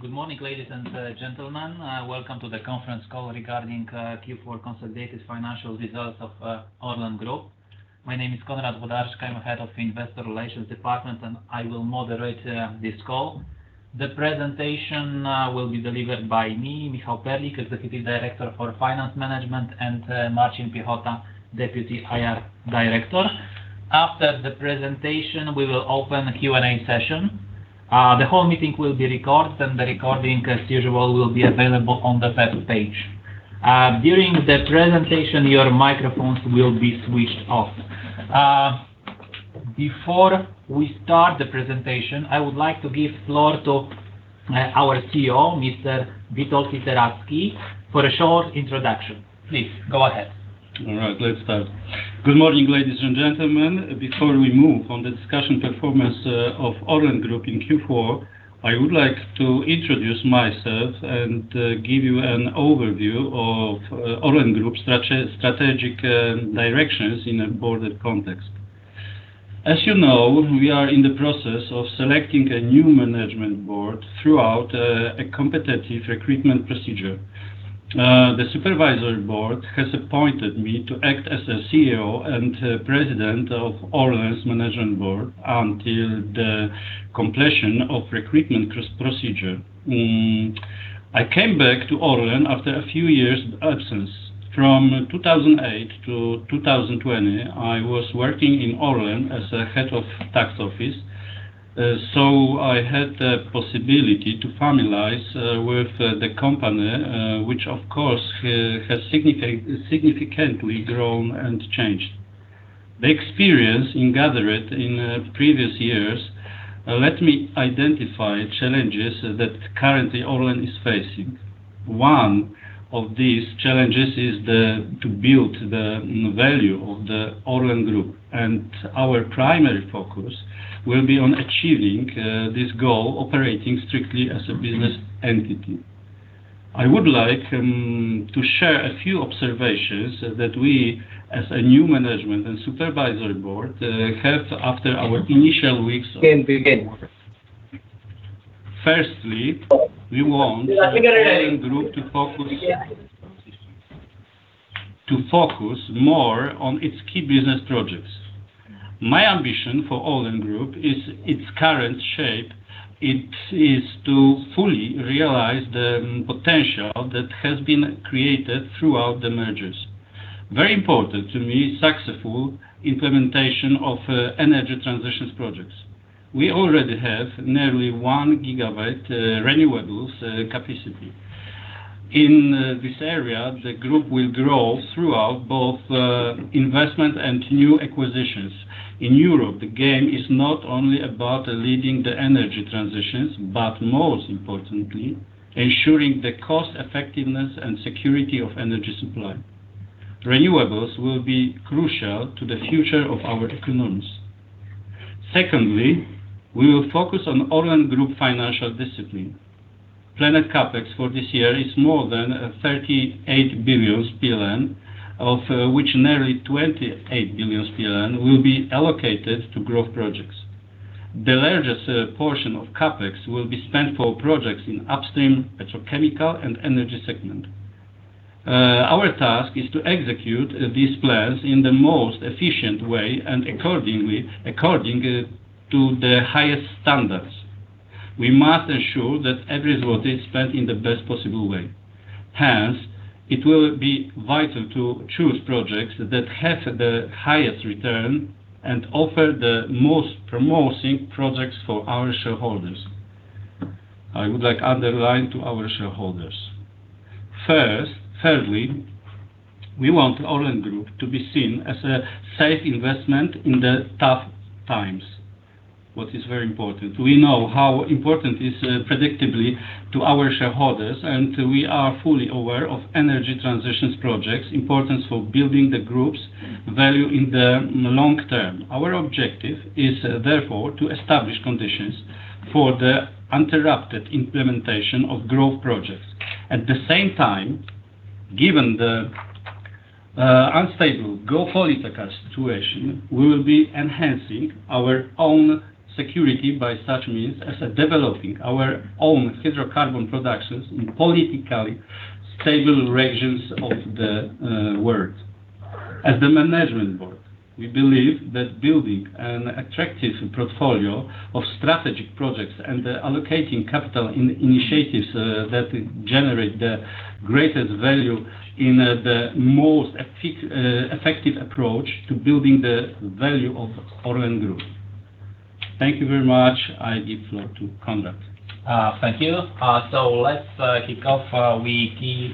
Good morning, ladies and gentlemen. Welcome to the conference call regarding Q4 consolidated financial results of ORLEN Group. My name is Konrad Włodarczyk, I'm Head of Investor Relations, and I will moderate this call. The presentation will be delivered by Michał Perlik, Executive Director for Finance Management, and Marcin Piechota, Deputy IR Director. After the presentation, we will open a Q&A session. The whole meeting will be recorded, and the recording, as usual, will be available on the first page. During the presentation, your microphones will be switched off. Before we start the presentation, I would like to give floor to our CEO, Mr. Witold Literacki, for a short introduction. Please, go ahead. All right, let's start. Good morning, ladies and gentlemen. Before we move on to the discussion performance of ORLEN Group in Q4, I would like to introduce myself and give you an overview of ORLEN Group structure, strategic directions in a broader context. As you know, we are in the process of selecting a new management board throughout a competitive recruitment procedure. The supervisory board has appointed me to act as CEO and President of ORLEN's Management Board until the completion of recruitment procedure. I came back to ORLEN after a few years absence. From 2008-2020, I was working in ORLEN as Head of Tax Office, so I had the possibility to familiarize with the company, which of course has significantly grown and changed. The experience we've gathered in previous years lets me identify challenges that currently ORLEN is facing. One of these challenges is to build the value of the ORLEN Group, and our primary focus will be on achieving this goal, operating strictly as a business entity. I would like to share a few observations that we, as a new management and supervisory board, have after our initial weeks of- Can begin. Firstly, we want ORLEN Group to focus, to focus more on its key business projects. My ambition for ORLEN Group is its current shape. It is to fully realize the potential that has been created throughout the mergers. Very important to me, successful implementation of energy transitions projects. We already have nearly 1 gigawatt renewables capacity. In this area, the group will grow throughout both investment and new acquisitions. In Europe, the game is not only about leading the energy transitions, but most importantly, ensuring the cost effectiveness and security of energy supply. Renewables will be crucial to the future of our economies. Secondly, we will focus on ORLEN Group financial discipline. Planned CapEx for this year is more than 38 billion PLN, of which nearly 28 billion PLN will be allocated to growth projects. The largest portion of CapEx will be spent for projects in Upstream, Petrochemical, and Energy segment. Our task is to execute these plans in the most efficient way and accordingly to the highest standards. We must ensure that every zloty is spent in the best possible way. Hence, it will be vital to choose projects that have the highest return and offer the most promising projects for our shareholders. I would like to underline to our shareholders. Thirdly, we want ORLEN Group to be seen as a safe investment in the tough times, what is very important. We know how important is predictability to our shareholders, and we are fully aware of energy transitions projects, importance for building the group's value in the long term. Our objective is, therefore, to establish conditions for the uninterrupted implementation of growth projects. At the same time, given the unstable geopolitical situation, we will be enhancing our own security by such means as developing our own hydrocarbon productions in politically stable regions of the world. As the management board, we believe that building an attractive portfolio of strategic projects and allocating capital in initiatives that generate the greatest value in the most effective approach to building the value of ORLEN Group. Thank you very much. I give floor to Konrad. Thank you. Let's kick off with the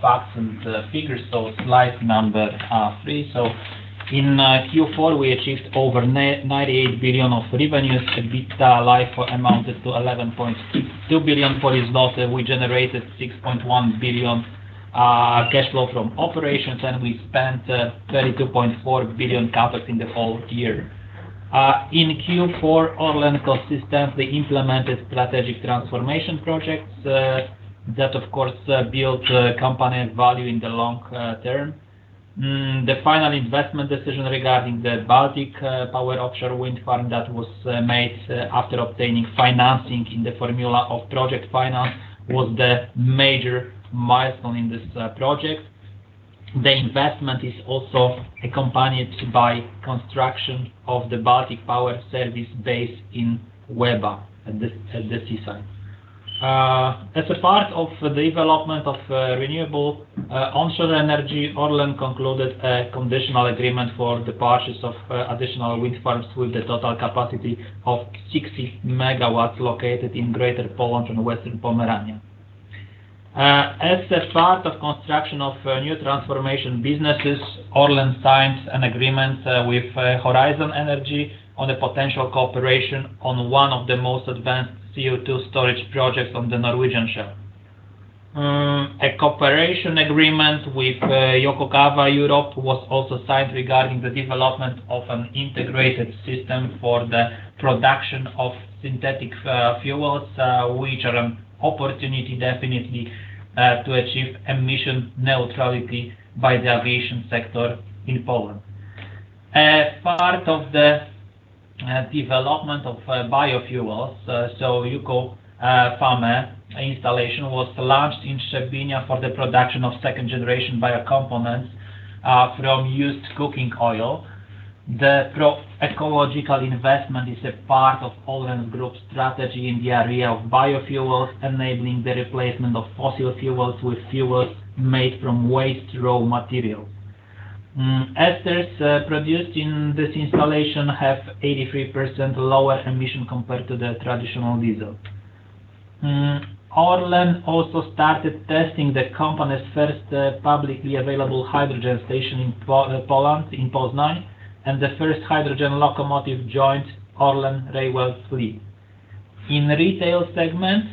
facts and figures. Slide number three. In Q4, we achieved over 98 billion of revenues. EBITDA LIFO amounted to 11.2 billion for this quarter. We generated 6.1 billion cash flow from operations, and we spent 32.4 billion CapEx in the whole year. In Q4, ORLEN consistently implemented strategic transformation projects that, of course, build the company value in the long term. Mm, the final investment decision regarding the Baltic Power offshore wind farm that was made after obtaining financing in the formula of project finance was the major milestone in this project. The investment is also accompanied by construction of the Baltic Power Service base in Łeba, at the seaside. As a part of the development of renewable onshore energy, ORLEN concluded a conditional agreement for the purchase of additional wind farms with a total capacity of 60 MW located in Greater Poland and Western Pomerania. As a part of construction of new transformation businesses, ORLEN signed an agreement with Horisont Energi on a potential cooperation on one of the most advanced CO2 storage projects on the Norwegian Shelf. A cooperation agreement with Yokogawa Europe was also signed regarding the development of an integrated system for the production of synthetic fuels, which are an opportunity definitely to achieve emission neutrality by the aviation sector in Poland. Part of the development of biofuels, so UCO hydroformer installation was launched in Szczecin for the production of second-generation biocomponents from used cooking oil. The pro-ecological investment is a part of ORLEN Group's strategy in the area of biofuels, enabling the replacement of fossil fuels with fuels made from waste raw materials. Esters produced in this installation have 83% lower emission compared to the traditional diesel. ORLEN also started testing the company's first publicly available hydrogen station in Poland, in Poznań, and the first hydrogen locomotive joined ORLEN railway fleet. In Retail segment,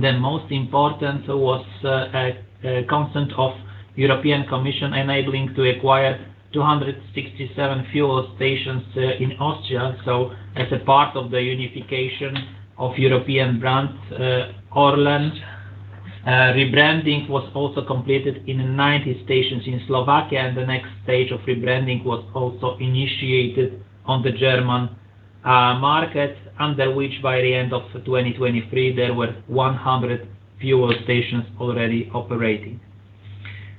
the most important was a consent of European Commission, enabling to acquire 267 fuel stations in Austria, so as a part of the unification of European brands, ORLEN. Rebranding was also completed in 90 stations in Slovakia, and the next stage of rebranding was also initiated on the German market, under which, by the end of 2023, there were 100 fuel stations already operating.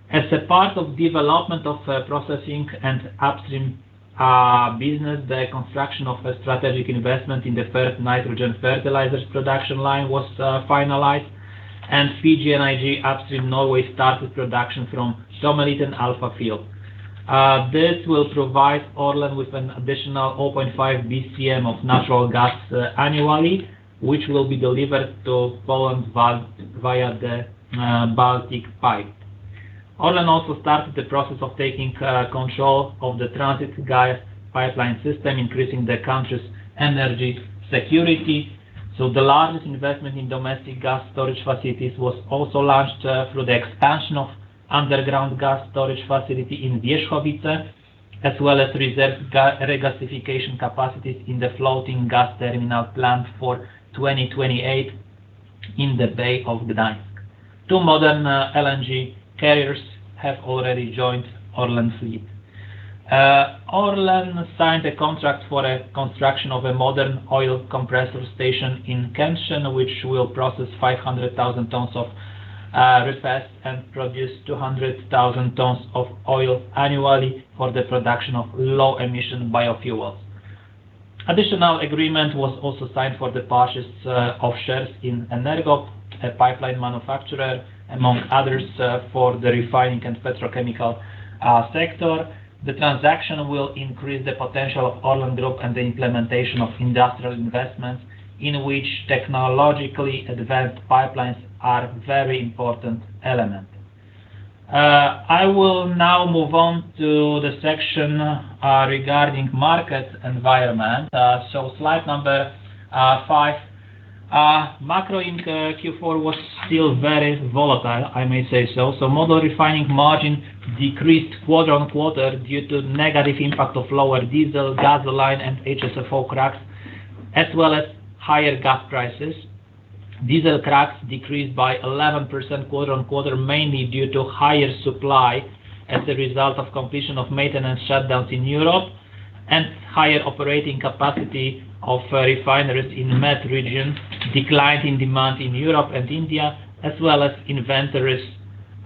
As a part of development of Processing and Upstream business, the construction of a strategic investment in the first nitrogen fertilizers production line was finalized, and PGNiG Upstream Norway started production from the Tommeliten Alpha field. This will provide ORLEN with an additional 5 BCM of natural gas annually, which will be delivered to Poland via the Baltic Pipe. ORLEN also started the process of taking control of the transit gas pipeline system, increasing the country's energy security. The largest investment in domestic gas storage facilities was also launched through the expansion of underground gas storage facility in Wierzchowice, as well as reserve regasification capacities in the floating gas terminal planned for 2028 in the Bay of Gdańsk. Two modern LNG carriers have already joined ORLEN fleet. ORLEN signed a contract for a construction of a modern oil compressor station in Kętrzyn, which will process 500,000 tons of resid and produce 200,000 tons of oil annually for the production of low-emission biofuels. Additional agreement was also signed for the purchase of shares in Energop, a pipeline manufacturer, among others, for the refining and petrochemical sector. The transaction will increase the potential of ORLEN Group and the implementation of industrial investments, in which technologically advanced pipelines are very important element. I will now move on to the section regarding market environment. So slide number five. Macro in Q4 was still very volatile, I may say so. So model refining margin decreased quarter-on-quarter due to negative impact of lower diesel, gasoline, and HSFO cracks, as well as higher gas prices. Diesel cracks decreased by 11% quarter-on-quarter, mainly due to higher supply as a result of completion of maintenance shutdowns in Europe and higher operating capacity of refineries in Middle East regions, decline in demand in Europe and India, as well as inventories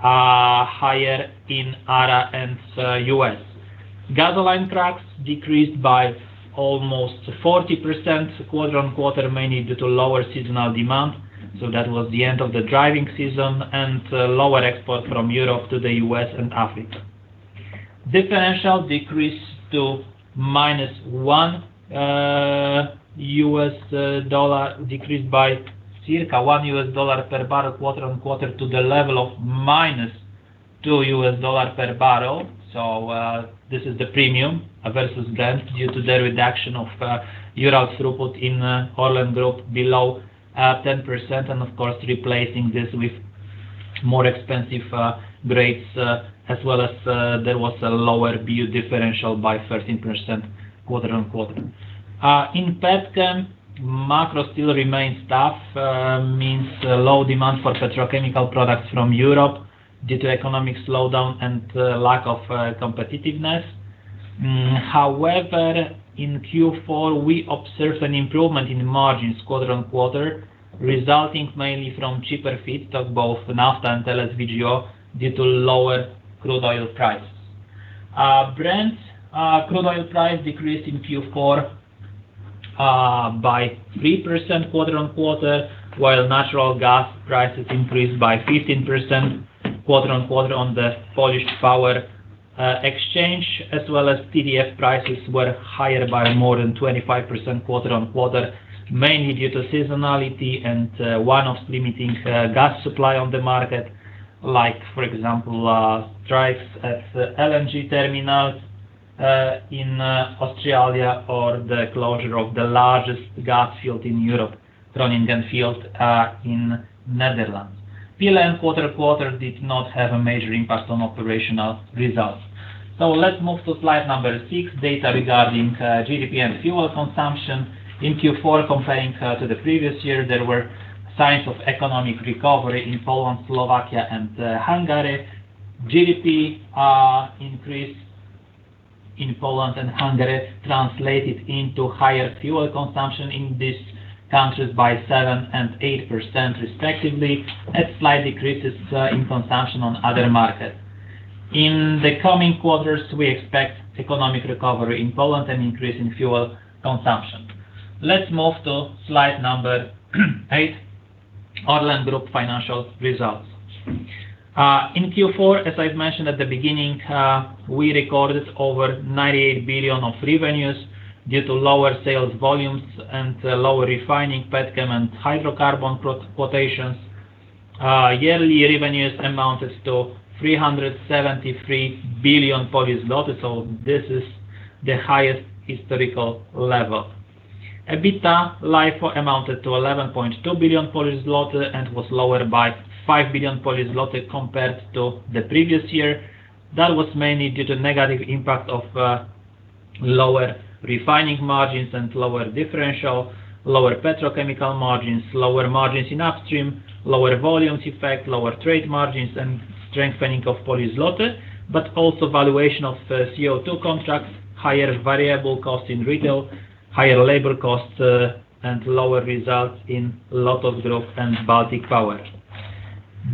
higher in ARA and U.S. Gasoline cracks decreased by almost 40% quarter-on-quarter, mainly due to lower seasonal demand, so that was the end of the driving season, and lower export from Europe to the U.S. and Africa. Differential decreased to minus one US dollar... decreased by circa $1 per bbl quarter-on-quarter, to the level of minus $2 per bbl. So, this is the premium versus blend due to the reduction of Urals throughput in ORLEN Group below 10%, and of course, replacing this with more expensive grades, as well as there was a lower Urals differential by 13% quarter-on-quarter. In petchem, macro still remains tough. Means low demand for petrochemical products from Europe due to economic slowdown and lack of competitiveness. However, in Q4, we observed an improvement in margins quarter-on-quarter, resulting mainly from cheaper feeds of both naphtha and LSVGO due to lower crude oil prices. Brent crude oil price decreased in Q4 by 3% quarter-on-quarter, while natural gas prices increased by 15% quarter-on-quarter on the Polish Power Exchange, as well as TTF prices were higher by more than 25% quarter-on-quarter, mainly due to seasonality and one of limiting gas supply on the market, like, for example, strikes at LNG terminals in Australia, or the closure of the largest gas field in Europe, Groningen field, in Netherlands. PLN quarter-on-quarter did not have a major impact on operational results. So let's move to slide number six, data regarding GDP and fuel consumption. In Q4, comparing to the previous year, there were signs of economic recovery in Poland, Slovakia, and Hungary. GDP increase in Poland and Hungary translated into higher fuel consumption in these countries by 7% and 8%, respectively, and slight decreases in consumption on other markets. In the coming quarters, we expect economic recovery in Poland and increase in fuel consumption. Let's move to slide number eight, ORLEN Group financial results. In Q4, as I've mentioned at the beginning, we recorded over 98 billion of revenues due to lower sales volumes and lower refining, petchem, and hydrocarbon pro- quotations. Yearly revenues amounted to 373 billion, so this is the highest historical level. EBITDA LIFO amounted to 11.2 billion Polish zloty, and was lower by 5 billion Polish zloty compared to the previous year. That was mainly due to negative impact of lower refining margins and lower differential, lower petrochemical margins, lower margins in upstream, lower volumes effect, lower trade margins, and strengthening of Polish złoty, but also valuation of CO2 contracts, higher variable costs in retail, higher labor costs, and lower results in Lotos Group and Baltic Power.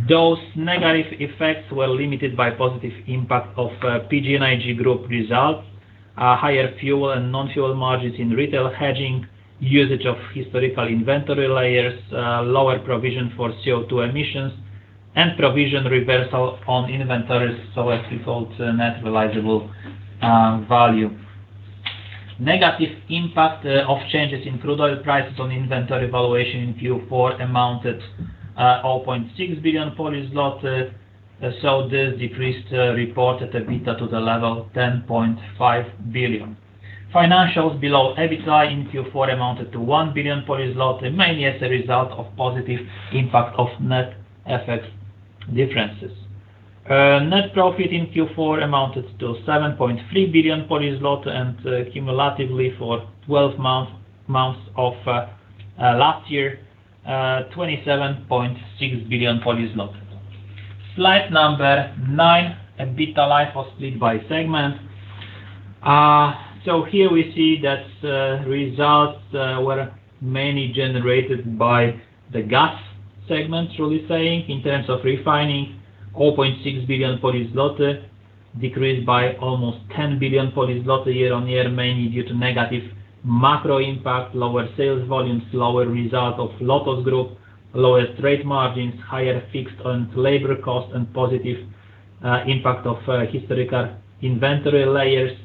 Those negative effects were limited by positive impact of PGNiG Group results, higher fuel and non-fuel margins in retail, hedging, usage of historical inventory layers, lower provision for CO2 emissions, and provision reversal on inventories, so as we call it, net realizable value. Negative impact of changes in crude oil prices on inventory valuation in Q4 amounted 0.6 billion. So this decreased reported EBITDA to the level 10.5 billion. Financials below EBITDA in Q4 amounted to 1 billion, mainly as a result of positive impact of net FX differences. Net profit in Q4 amounted to 7.3 billion, and, cumulatively for 12 months of last year, 27.6 billion Polish zloty. Slide number nine, EBITDA LIFO split by segment. So here we see that, results were mainly generated by the Gas segment, truly saying, in terms of refining, 0.6 billion, decreased by almost 10 billion year-on-year, mainly due to negative macro impact, lower sales volumes, lower result of LOTOS Group, lower trade margins, higher fixed and labor costs, and positive, impact of, historical inventory layers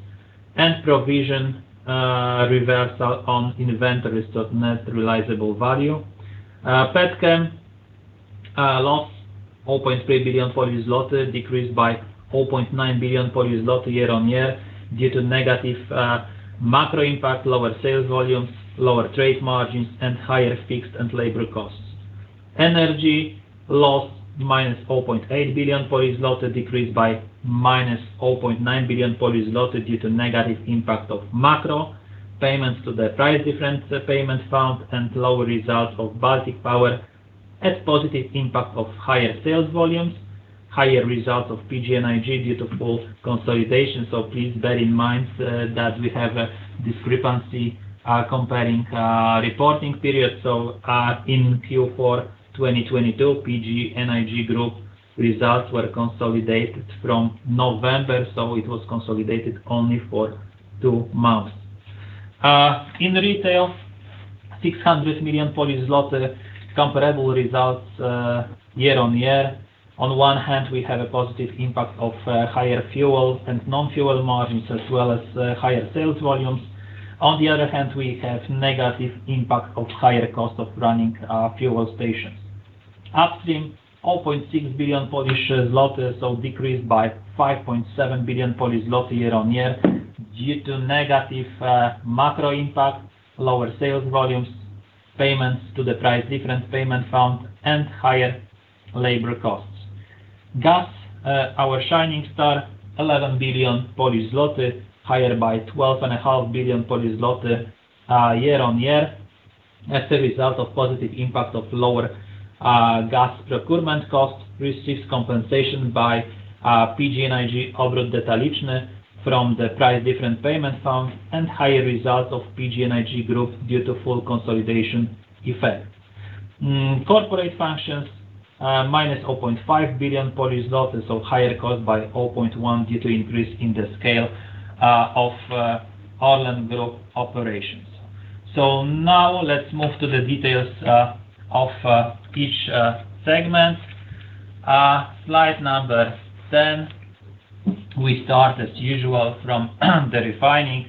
and provision, reversal on inventories of net realizable value. Petchem lost 0.3 billion, decreased by 0.9 billion year-on-year, due to negative macro impact, lower sales volumes, lower trade margins, and higher fixed and labor costs. Energy loss -0.8 billion, decreased by -0.9 billion due to negative impact of macro, payments to the Price Difference Payment Fund, and lower results of Baltic Power, and positive impact of higher sales volumes, higher results of PGNiG due to full consolidation. So please bear in mind that we have a discrepancy comparing reporting periods. So in Q4 2022, PGNiG Group results were consolidated from November, so it was consolidated only for two months. In retail, 600 million Polish zloty, comparable results year-on-year. On one hand, we have a positive impact of higher fuel and non-fuel margins, as well as higher sales volumes. On the other hand, we have negative impact of higher cost of running fuel stations. Upstream, 0.6 billion Polish zloty, so decreased by 5.7 billion Polish zloty year-on-year due to negative macro impact, lower sales volumes, payments to the price difference payment fund, and higher labor costs. Gas, our shining star, 11 billion zloty, higher by 12.5 billion zloty year-on-year, as a result of positive impact of lower gas procurement costs, receives compensation by PGNiG Obrót Detaliczny from the price difference payment fund and higher results of PGNiG Group due to full consolidation effect. Corporate functions, -0.5 billion, so higher cost by 0.1 due to increase in the scale of ORLEN Group operations. So now let's move to the details of each segment. Slide number 10. We start as usual from the Refining.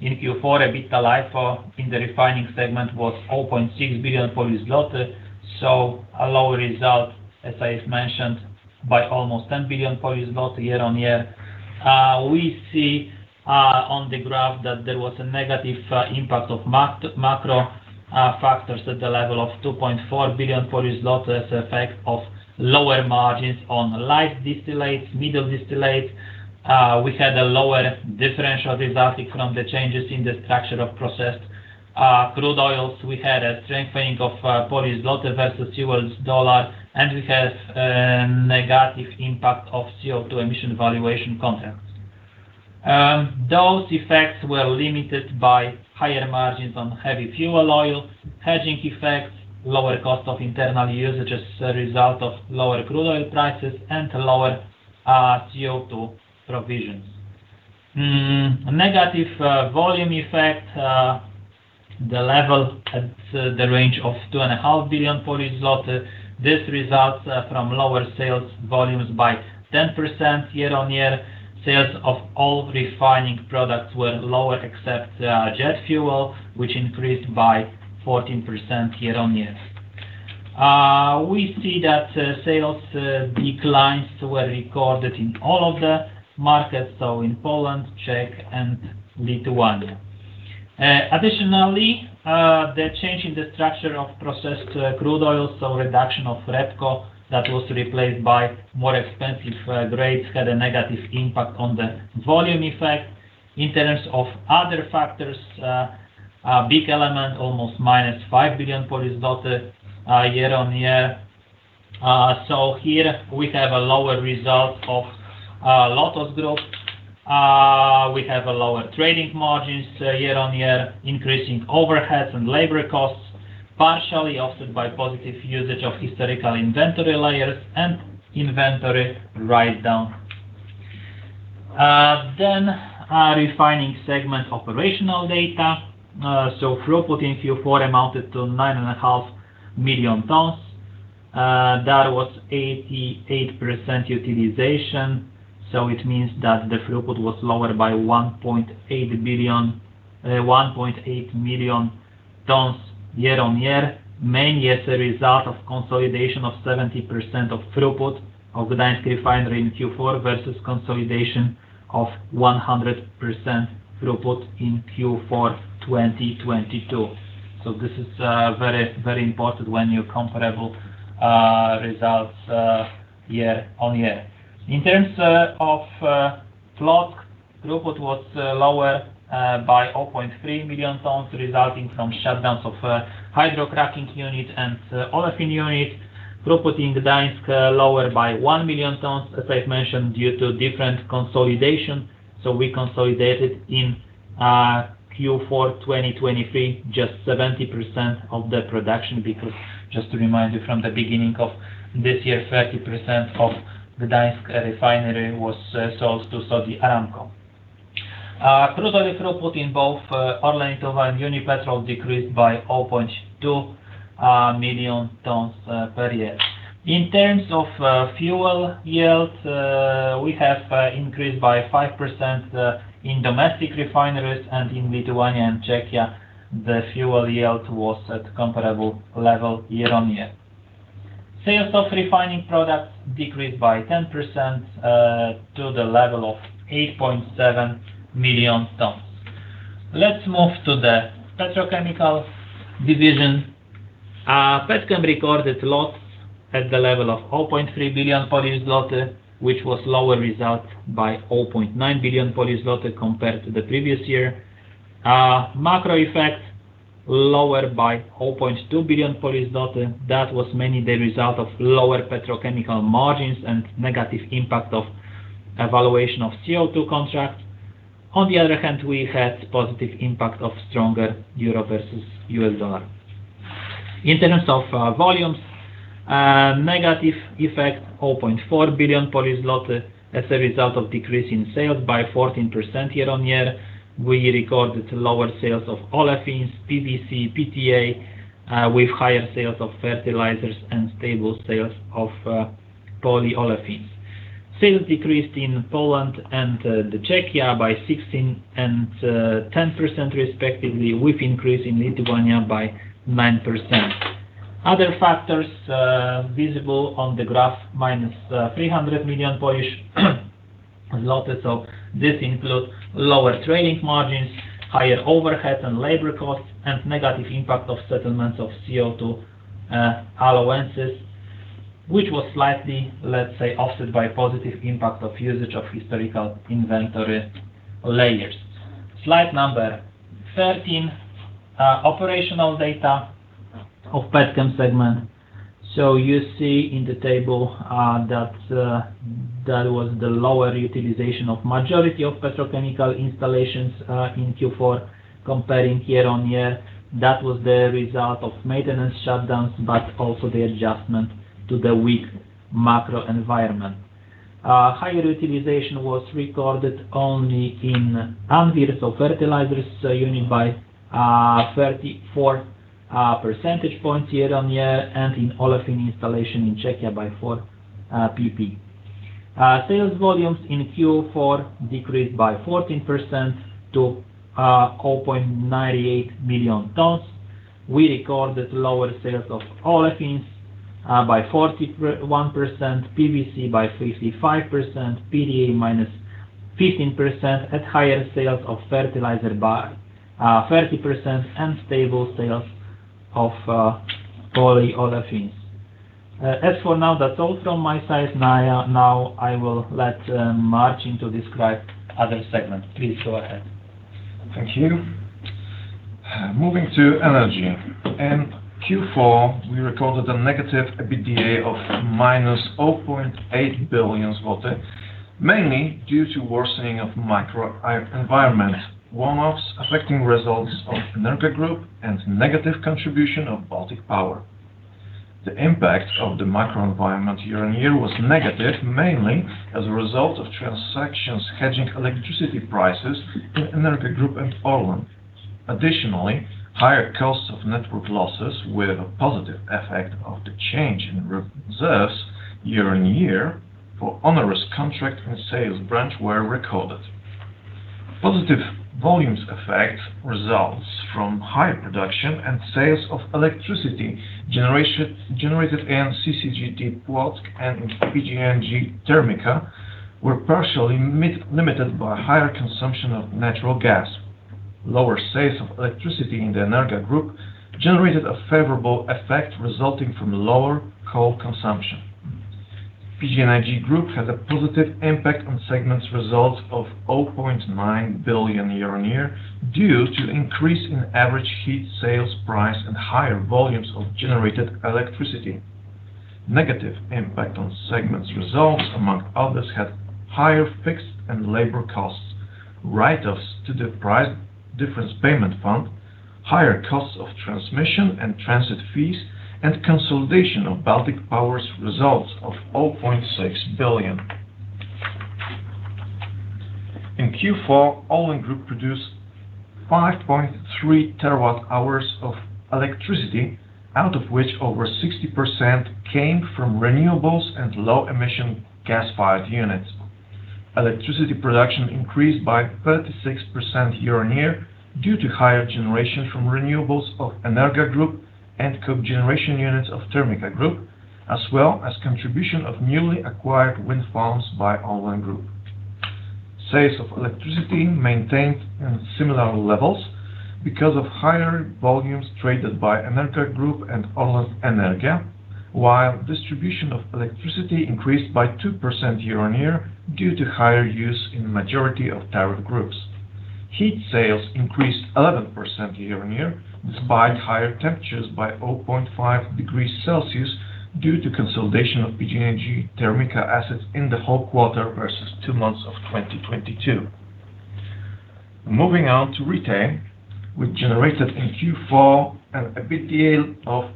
In Q4, EBITDA LIFO in the Refining segment was 4.6 billion, so a lower result, as I mentioned, by almost 10 billion year-on-year. We see on the graph that there was a negative impact of macro factors at the level of 2.4 billion, as effect of lower margins on light distillates, middle distillates. We had a lower differential resulting from the changes in the structure of processed crude oils. We had a strengthening of Polish zloty versus U.S. dollar, and we had negative impact of CO2 emission valuation contracts. Those effects were limited by higher margins on heavy fuel oil, hedging effects, lower cost of internal usage as a result of lower crude oil prices, and lower CO2 provisions. Negative volume effect, the level at the range of 2.5 billion. This results from lower sales volumes by 10% year-on-year. Sales of all refining products were lower, except jet fuel, which increased by 14% year-on-year. We see that sales declines were recorded in all of the markets, so in Poland, Czech, and Lithuania. Additionally, the change in the structure of processed crude oil, so reduction of REBCO that was replaced by more expensive grades, had a negative impact on the volume effect. In terms of other factors, a big element, almost -5 billion, year-on-year. So here we have a lower result of LOTOS Group. We have lower trading margins, year-on-year, increasing overheads and labor costs, partially offset by positive usage of historical inventory layers and inventory write-down. Then, Refining segment operational data. So throughput in Q4 amounted to 9.5 million tons. That was 88% utilization, so it means that the throughput was lower by 1.8 billion, 1.8 million tons year-on-year, mainly as a result of consolidation of 70% of throughput of Gdańsk refinery in Q4 versus consolidation of 100% throughput in Q4 2022. So this is very, very important when you comparable results year-on-year. In terms of Płock, throughput was lower by 0.3 million tons, resulting from shutdowns of hydrocracking unit and olefin unit. Throughput in Gdańsk lower by 1 million tons, as I've mentioned, due to different consolidation. So we consolidated in Q4 2023 just 70% of the production because just to remind you from the beginning of this year, 30% of the Gdańsk refinery was sold to Saudi Aramco. Crude oil throughput in both ORLEN Unipetrol decreased by 0.2 million tons per year. In terms of fuel yields, we have increased by 5% in domestic refineries and in Lithuania and Czechia, the fuel yield was at comparable level year-on-year. Sales of refining products decreased by 10% to the level of 8.7 million tons. Let's move to the petrochemical division. Petchem recorded loss at the level of 0.3 billion Polish zloty, which was lower result by 0.9 billion Polish zloty compared to the previous year. Macro effect, lower by 0.2 billion. That was mainly the result of lower petrochemical margins and negative impact of valuation of CO2 contracts. On the other hand, we had positive impact of stronger euro versus U.S. dollar. In terms of volumes, negative effect, 0.4 billion, as a result of decrease in sales by 14% year-on-year. We recorded lower sales of olefins, PVC, PTA, with higher sales of fertilizers and stable sales of polyolefins. Sales decreased in Poland and the Czechia by 16% and 10% respectively, with increase in Lithuania by 9%. Other factors visible on the graph, -300 million Polish zloty,... a lot of, so this include lower trading margins, higher overheads and labor costs, and negative impact of settlements of CO2 allowances, which was slightly, let's say, offset by positive impact of usage of historical inventory layers. Slide number 13, operational data of Petchem segment. So you see in the table, that was the lower utilization of majority of petrochemical installations, in Q4, comparing year-on-year. That was the result of maintenance shutdowns, but also the adjustment to the weak macro environment. Higher utilization was recorded only in Anwil, so fertilizers unit by 34 percentage points year-on-year, and in olefin installation in Czechia by 4 percentage points. Sales volumes in Q4 decreased by 14% to 4.98 million tons. We recorded lower sales of olefins by 41%, PVC by 35%, PTA -15%, and higher sales of fertilizer by 30%, and stable sales of polyolefins. As for now, that's all from my side. Now, I will let Marcin to describe other segment. Please go ahead. Thank you. Moving to Energy. In Q4, we recorded a negative EBITDA of minus 0.8 billion zloty, mainly due to worsening of micro environment, warm-ups affecting results of ENERGA Group, and negative contribution of Baltic Power. The impact of the micro environment year-on-year was negative, mainly as a result of transactions hedging electricity prices in ENERGA Group and ORLEN. Additionally, higher costs of network losses, with a positive effect of the change in reserves year-on-year for onerous contract and sales branch were recorded. Positive volumes effect results from higher production and sales of electricity generation in CCGT Płock and in PGNiG TERMIKA, were partially limited by higher consumption of natural gas. Lower sales of electricity in the ENERGA Group generated a favorable effect, resulting from lower coal consumption. PGNiG Group had a positive impact on segment's results of 0.9 billion year-on-year, due to increase in average heat sales price and higher volumes of generated electricity. Negative impact on segment's results, among others, had higher fixed and labor costs, write-offs to the price difference payment fund, higher costs of transmission and transit fees, and consolidation of Baltic Power's results of 0.6 billion. In Q4, ORLEN Group produced 5.3 TWh of electricity, out of which over 60% came from renewables and low-emission gas-fired units. Electricity production increased by 36% year-on-year, due to higher generation from renewables of ENERGA Group and cogeneration units of TERMIKA Group, as well as contribution of newly acquired wind farms by ORLEN Group. Sales of electricity maintained in similar levels because of higher volumes traded by ENERGA Group and ORLEN Energia, while distribution of electricity increased by 2% year-over-year due to higher use in the majority of tariff groups. Heat sales increased 11% year-over-year, despite higher temperatures by 0.5 degrees Celsius, due to consolidation of PGNiG TERMIKA assets in the whole quarter versus two months of 2022. Moving on to retail, we generated in Q4 an EBITDA of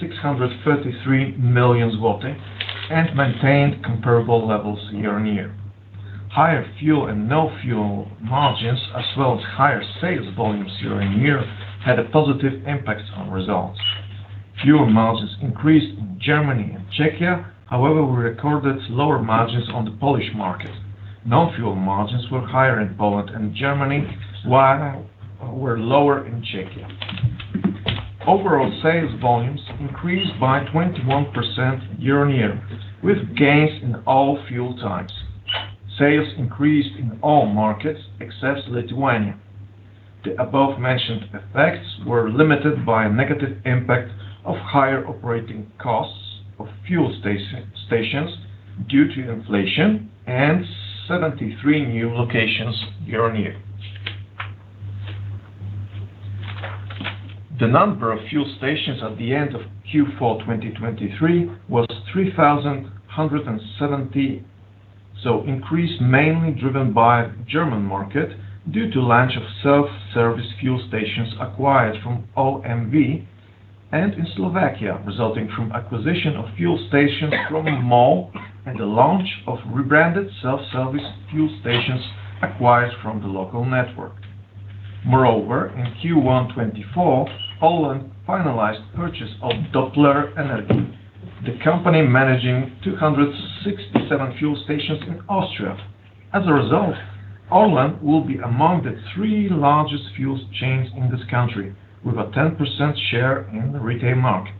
633 million, and maintained comparable levels year-over-year. Higher fuel and non-fuel margins, as well as higher sales volumes year-over-year, had a positive impact on results. Fuel margins increased in Germany and Czechia, however, we recorded lower margins on the Polish market. Non-fuel margins were higher in Poland and Germany, while were lower in Czechia. Overall sales volumes increased by 21% year-on-year, with gains in all fuel types. Sales increased in all markets except Lithuania. The above-mentioned effects were limited by a negative impact of higher operating costs of fuel stations due to inflation and 73 new locations year-on-year. The number of fuel stations at the end of Q4 2023 was 3,170, so increase mainly driven by German market, due to launch of self-service fuel stations acquired from OMV, and in Slovakia, resulting from acquisition of fuel stations from MOL, and the launch of rebranded self-service fuel stations acquired from the local network. Moreover, in Q1 2024, ORLEN finalized purchase of Doppler Energie, the company managing 267 fuel stations in Austria. As a result, ORLEN will be among the three largest fuel chains in this country, with a 10% share in the retail market....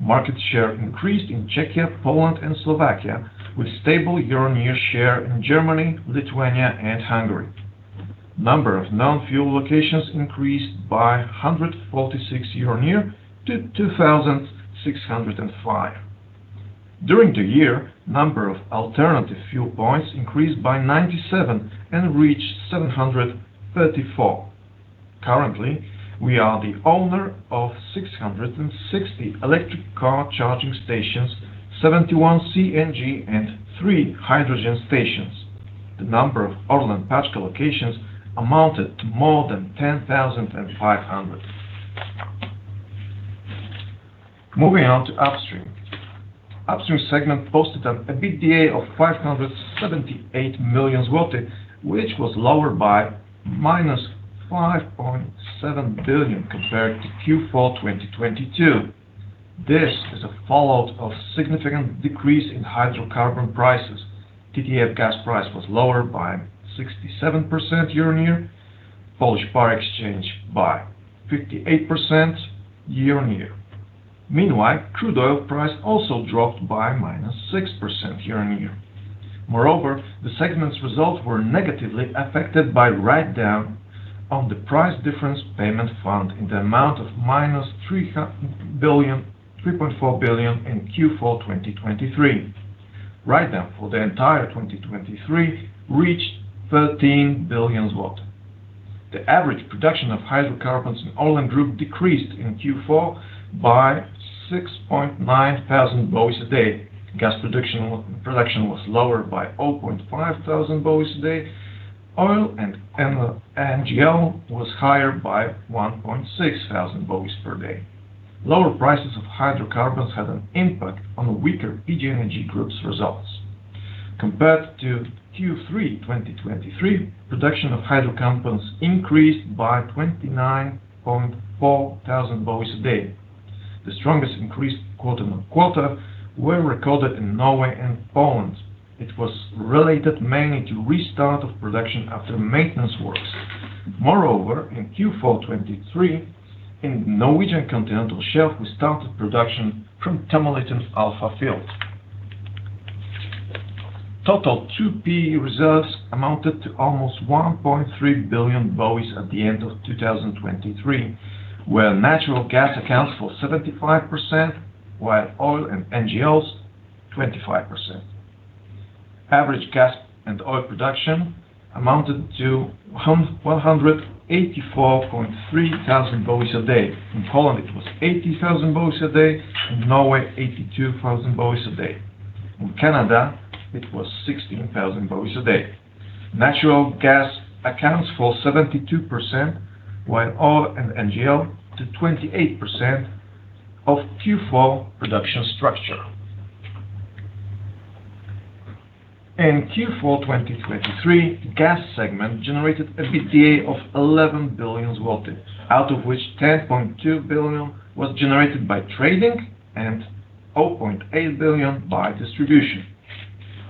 Market share increased in Czechia, Poland, and Slovakia, with stable year-on-year share in Germany, Lithuania, and Hungary. Number of non-fuel locations increased by 146 year-on-year to 2,605. During the year, number of alternative fuel points increased by 97 and reached 734. Currently, we are the owner of 660 electric car charging stations, 71 CNG, and three hydrogen stations. The number of ORLEN Paczka locations amounted to more than 10,500. Moving on to Upstream. Upstream segment posted an EBITDA of 578 million zloty, which was lower by -5.7 billion compared to Q4 2022. This is a fallout of significant decrease in hydrocarbon prices. TTF gas price was lower by 67% year-on-year, Polish Power Exchange by 58% year-on-year. Meanwhile, crude oil price also dropped by -6% year-on-year. Moreover, the segment's results were negatively affected by write-down of the price difference payment fund in the amount of -3.4 billion in Q4 2023. Write-down for the entire 2023 reached 13 billion. The average production of hydrocarbons in ORLEN Group decreased in Q4 by 6,900 BOEs a day. Gas production was lower by 500 BOEs a day. Oil and NGL was higher by 1,600 BOEs a day. Lower prices of hydrocarbons had an impact on a weaker PGNiG Group's results. Compared to Q3 2023, production of hydrocarbons increased by 29,400 BOEs a day. The strongest increase quarter-on-quarter were recorded in Norway and Poland. It was related mainly to restart of production after maintenance works. Moreover, in Q4 2023, in Norwegian Continental Shelf, we started production from Tommeliten Alpha field. Total 2P reserves amounted to almost 1.3 billion BOEs at the end of 2023, where natural gas accounts for 75%, while oil and NGLs, 25%. Average gas and oil production amounted to 184, 30 BOEs a day. In Poland, it was 80,000 BOEs a day. In Norway, 82,000 BOEs a day. In Canada, it was 16,000 BOEs a day. Natural gas accounts for 72%, while oil and NGLs to 28% of Q4 production structure. In Q4 2023, Gas segment generated an EBITDA of 11 billion, out of which 10.2 billion was generated by trading and 0.8 billion by distribution.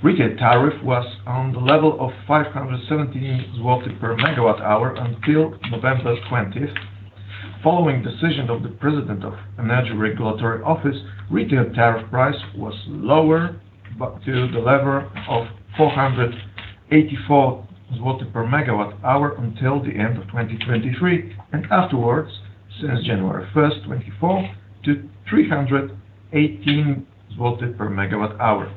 Retail tariff was on the level of 570 per MWh until November 20th. Following decision of the President of Energy Regulatory Office, retail tariff price was lower, but to the level of 484 per MWh until the end of 2023, and afterwards, since January 1, 2024, to PLN 318 per MWh.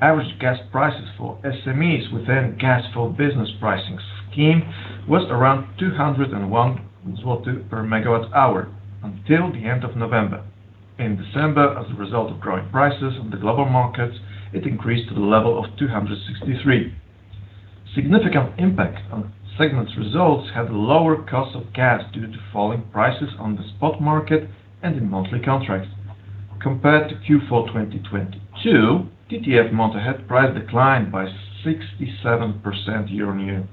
Average gas prices for SMEs within gas for business pricing scheme was around 201 zloty per MWh until the end of November. In December, as a result of growing prices on the global markets, it increased to the level of 263. Significant impact on segment's results had lower cost of gas due to falling prices on the spot market and in monthly contracts. Compared to Q4 2022, TTF month ahead price declined by 67% year-on-year.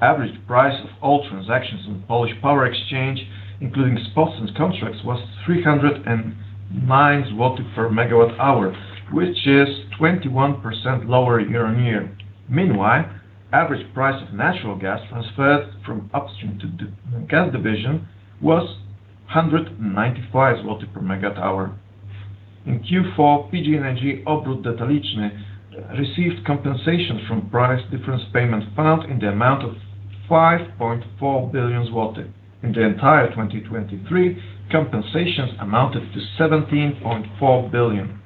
Average price of all transactions in Polish Power Exchange, including spots and contracts, was 309 per MWh, which is 21% lower year-on-year. Meanwhile, average price of natural gas transferred from Upstream to the Gas division was 195 per MWh. In Q4, PGNiG Obrót Detaliczny received compensations from price difference payment fund in the amount of 5.4 billion zloty. In the entire 2023, compensations amounted to 17.4 billion.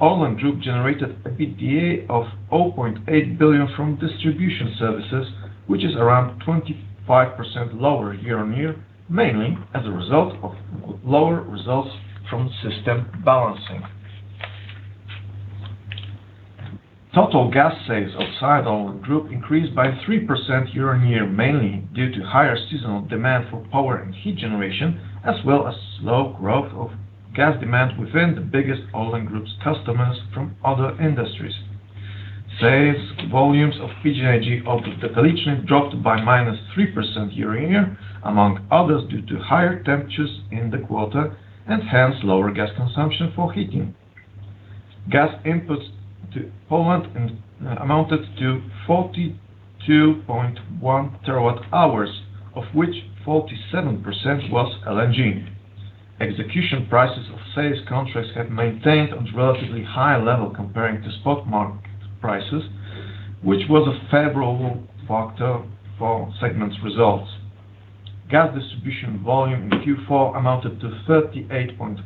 ORLEN Group generated a EBITDA of 0.8 billion from distribution services, which is around 25% lower year-on-year, mainly as a result of lower results from system balancing. Total gas sales outside ORLEN Group increased by 3% year-on-year, mainly due to higher seasonal demand for power and heat generation, as well as slow growth of gas demand within the biggest ORLEN Group's customers from other industries. Sales volumes of PGNiG Obrót Detaliczny dropped by -3% year-on-year, among others, due to higher temperatures in the quarter and hence lower gas consumption for heating. Gas inputs to Poland and amounted to 42.1 TWh, of which 47% was LNG. Execution prices of sales contracts have maintained at a relatively high level comparing to spot market prices, which was a favorable factor for segment's results. Gas distribution volume in Q4 amounted to 38.5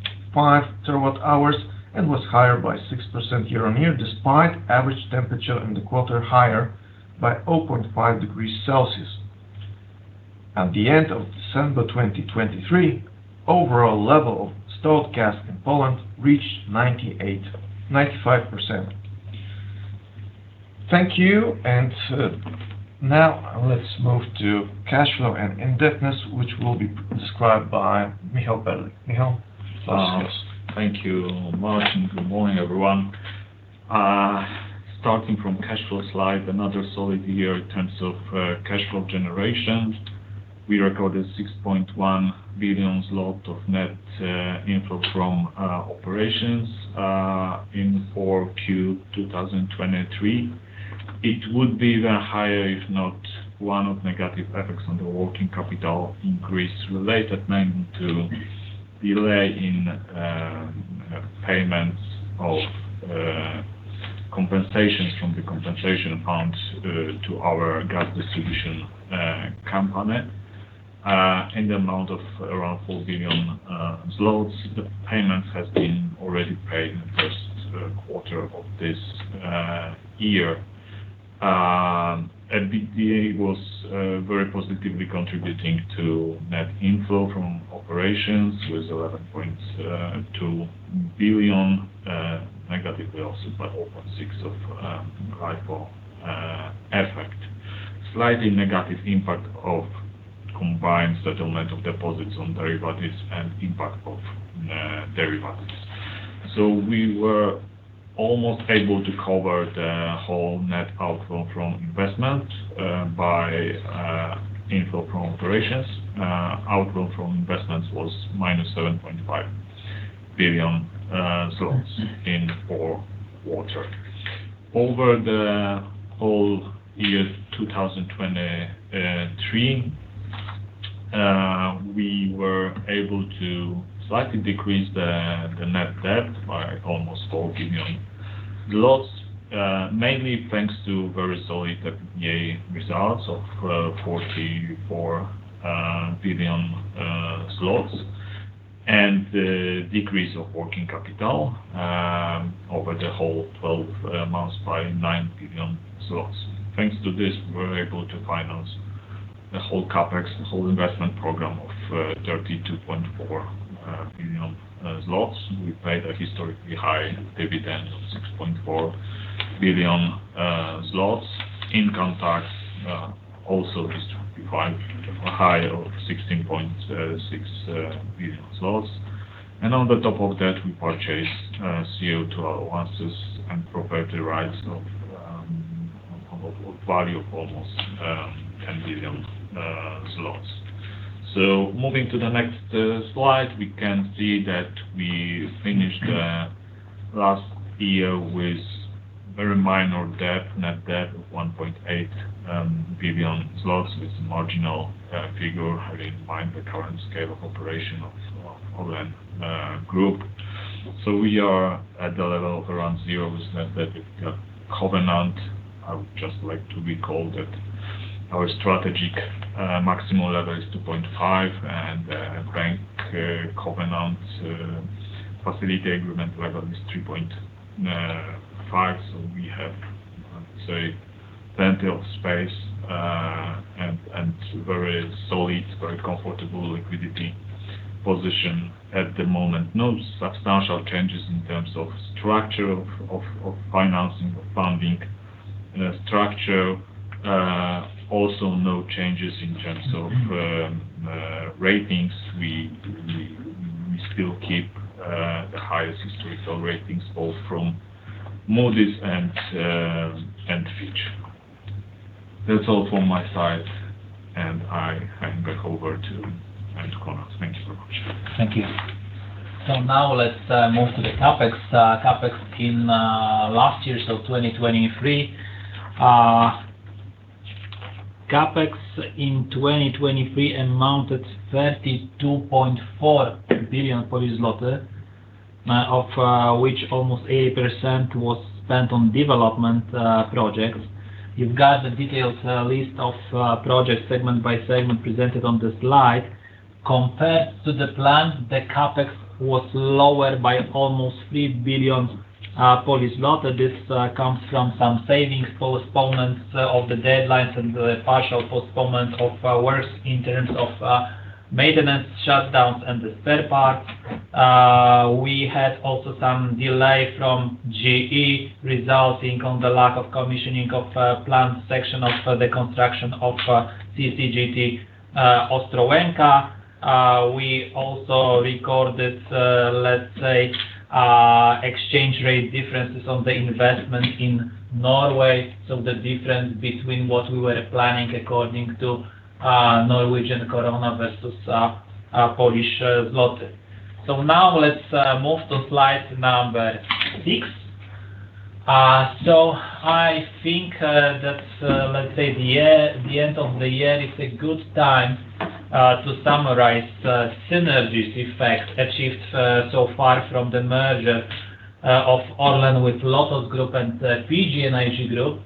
TWh, and was higher by 6% year-on-year, despite average temperature in the quarter higher by 0.5 degrees Celsius. At the end of December 2023, overall level of stored gas in Poland reached 98%, 95%. Thank you, and now let's move to cash flow and indebtedness, which will be described by Michał Perlik. Michał, please. Thank you, Marcin. Good morning, everyone. Starting from cash flow slide, another solid year in terms of cash flow generation. We recorded 6.1 billion zlotys of net inflow from operations in 4Q 2023. It would be even higher, if not one of negative effects on the working capital increase, related mainly to delay in payments of compensations from the compensation funds to our gas distribution component in the amount of around 4 billion zlotys. The payments has been already paid in the first quarter of this year. EBITDA was very positively contributing to net inflow from operations, with 11.2 billion, negatively also, by 0.6 billion of LIFO effect. Slightly negative impact of combined settlement of deposits on derivatives and impact of derivatives. So we were almost able to cover the whole net outflow from investment by inflow from operations. Outflow from investments was -7.5 billion zlotys in fourth quarter. Over the whole year, 2023, we were able to slightly decrease the net debt by almost 4 billion zlotys, mainly thanks to very solid EBITDA results of 44 billion zlotys, and the decrease of working capital over the whole twelve months by 9 billion zlotys. Thanks to this, we were able to finance the whole CapEx, the whole investment program of 32.4 billion zlotys. We paid a historically high dividend of 6.4 billion zlotys. Income tax, also historically high of 16.6 billion zlotys and on the top of that, we purchased CO2 allowances and property rights of value of almost 10 billion zlotys. So moving to the next slide, we can see that we finished the last year with very minor debt, net debt of 1.8 billion zlotys, with marginal figure, really, behind the current scale of operation of ORLEN Group. So we are at the level of around zero with net covenant. I would just like to recall that our strategic maximum level is 2.5, and bank covenant facility agreement level is 3.5. So we have, say, plenty of space, and very solid, very comfortable liquidity position at the moment. No substantial changes in terms of structure of financing, of funding, structure. Also, no changes in terms of ratings. We still keep the highest historical ratings, both from Moody's and Fitch. That's all from my side, and I hand back over to Konrad. Thank you so much. Thank you. So now let's move to the CapEx. CapEx in last year, so 2023. CapEx in 2023 amounted 32.4 billion Polish zloty, of which almost 80% was spent on development projects. You've got the detailed list of projects, segment-by-segment, presented on the slide. Compared to the plan, the CapEx was lower by almost 3 billion. This comes from some savings, postponements of the deadlines, and the partial postponement of works in terms of maintenance, shutdowns, and the spare parts. We had also some delay from GE, resulting on the lack of commissioning of planned section of the construction of CCGT Ostrołęka. We also recorded, let's say, exchange rate differences on the investment in Norway, so the difference between what we were planning according to Norwegian krone versus Polish złoty. So now, let's move to slide number six. So I think, that, let's say, the year, the end of the year is a good time, to summarize the synergies effect achieved, so far from the merger, of ORLEN with LOTOS Group and PGNiG Group.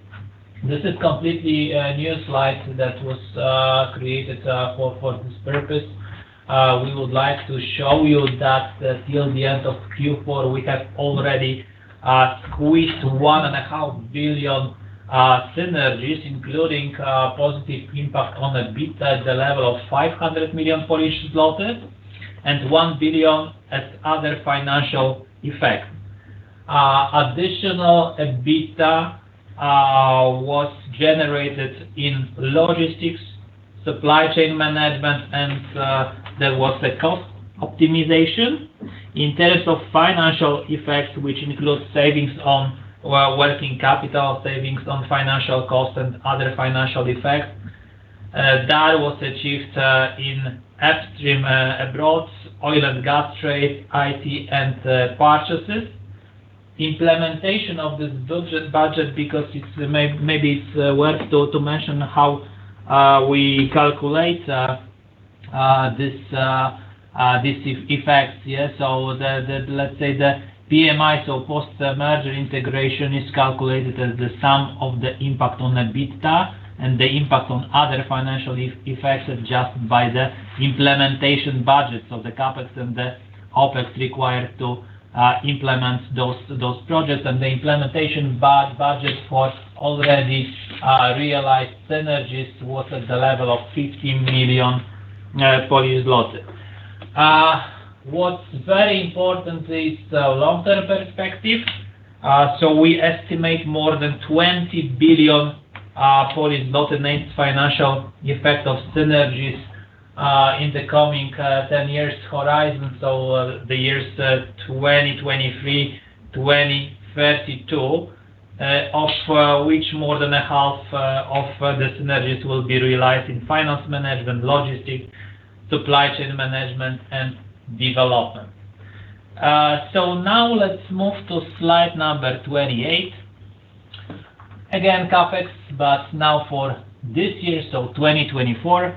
This is completely, new slide that was, created, for, for this purpose. We would like to show you that, till the end of Q4, we have already, squeezed 1.5 billion synergies, including, positive impact on EBITDA at the level of 500 million and 1 billion as other financial effects. Additional EBITDA was generated in logistics, supply chain management, and there was a cost optimization. In terms of financial effects, which include savings on working capital, savings on financial costs, and other financial effects, that was achieved in upstream abroad, oil and gas trade, IT, and purchases. Implementation of this budget, because maybe it's worth to mention how we calculate this effect. Yeah, so the... Let's say, the PMI, so post-merger integration, is calculated as the sum of the impact on the EBITDA and the impact on other financial effects, adjusted by the implementation budgets of the CapEx and the OpEx required to implement those projects, and the implementation budget for already realized synergies was at the level of 50 million. What's very important is the long-term perspective. So we estimate more than 20 billion net financial effect of synergies in the coming 10 years horizon, so the years 2023, 2032, of which more than a half of the synergies will be realized in finance management, logistics, supply chain management, and development. So now let's move to slide number 28. Again, CapEx, but now for this year, so 2024.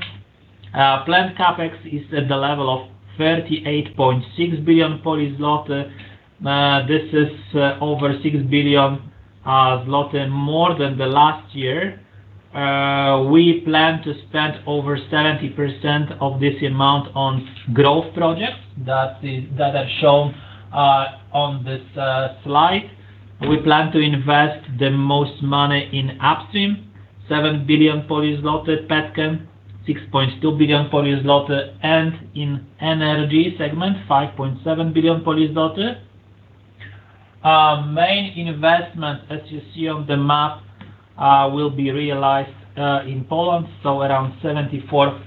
Planned CapEx is at the level of 38.6 billion. This is over 6 billion zloty more than the last year. We plan to spend over 70% of this amount on growth projects that is, that are shown on this slide. We plan to invest the most money in Upstream, 7 billion, Petchem, 6.2 billion, and in Energy segment, 5.7 billion. Main investment, as you see on the map, will be realized in Poland, so around 74%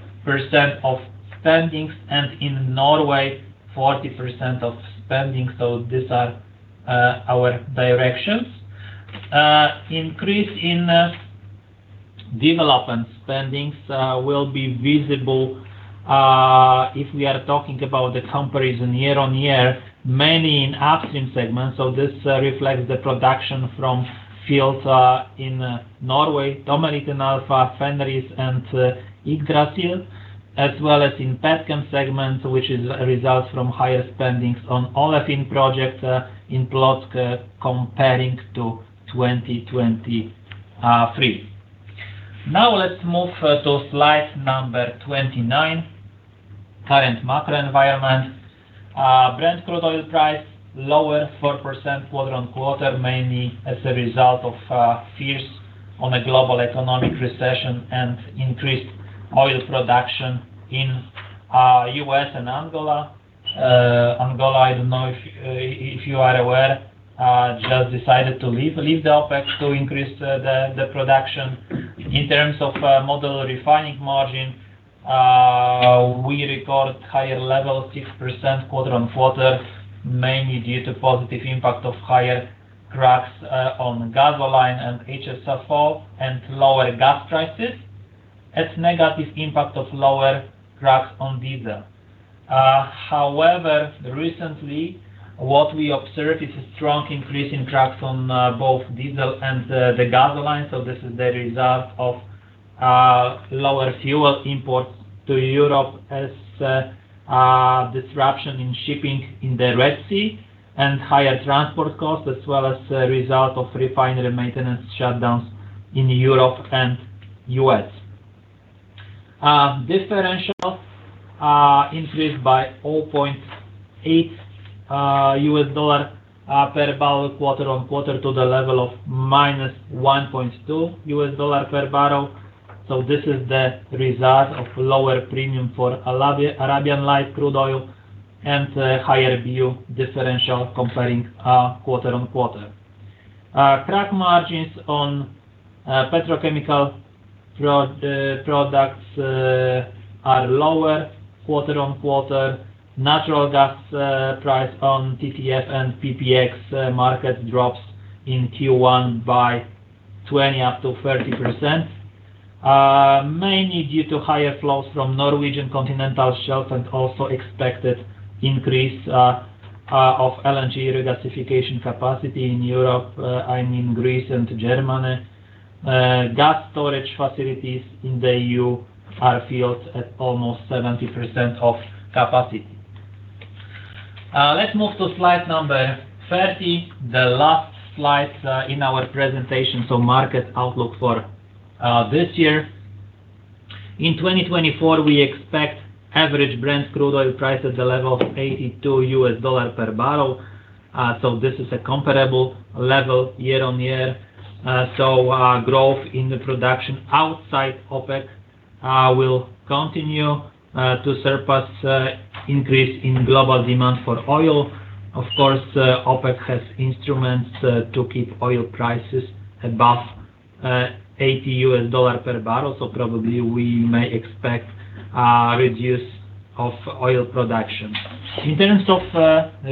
of spendings, and in Norway, 40% of spending. So these are our directions. Increase in development spendings will be visible if we are talking about the comparison year-on-year, mainly in Upstream segment, so this reflects the production from fields in Norway, Tommeliten Alpha, Fenris, and Yggdrasil, as well as in Petchem segment, which is a result from higher spendings on Olefin project in Płock, comparing to 2023. Now, let's move to slide number 29, current macro environment. Brent crude oil price, lower 4% quarter-on-quarter, mainly as a result of fears on a global economic recession and increased oil production in U.S. and Angola. Angola, I don't know if you are aware, just decided to leave the OPEC to increase the production. In terms of model refining margin, we record higher level, 6% quarter-on-quarter, mainly due to positive impact of higher cracks on gasoline and HSFO and lower gas prices, as negative impact of lower cracks on diesel. However, recently, what we observed is a strong increase in cracks on both diesel and the gasoline, so this is the result of lower fuel imports to Europe as disruption in shipping in the Red Sea and higher transport costs, as well as a result of refinery maintenance shutdowns in Europe and U.S. Differential increased by $0.8 per bbl, quarter-over-quarter, to the level of -$1.2 per bbl. So this is the result of lower premium for Arabian Light crude oil and a higher view differential comparing quarter-over-quarter. Crack margins on petrochemical products are lower quarter-over-quarter. Natural gas price on TTF and PPX market drops in Q1 by 20%-30%. Mainly due to higher flows from Norwegian Continental Shelves and also expected increase of LNG regasification capacity in Europe, I mean, Greece and Germany. Gas storage facilities in the EU are filled at almost 70% of capacity. Let's move to slide number 30, the last slide in our presentation, so market outlook for this year. In 2024, we expect average Brent crude oil price at the level of $82 per bbl. So this is a comparable level year-on-year. So, growth in the production outside OPEC will continue to surpass increase in global demand for oil. Of course, OPEC has instruments to keep oil prices above $80 per bbl, so probably we may expect reduce of oil production. In terms of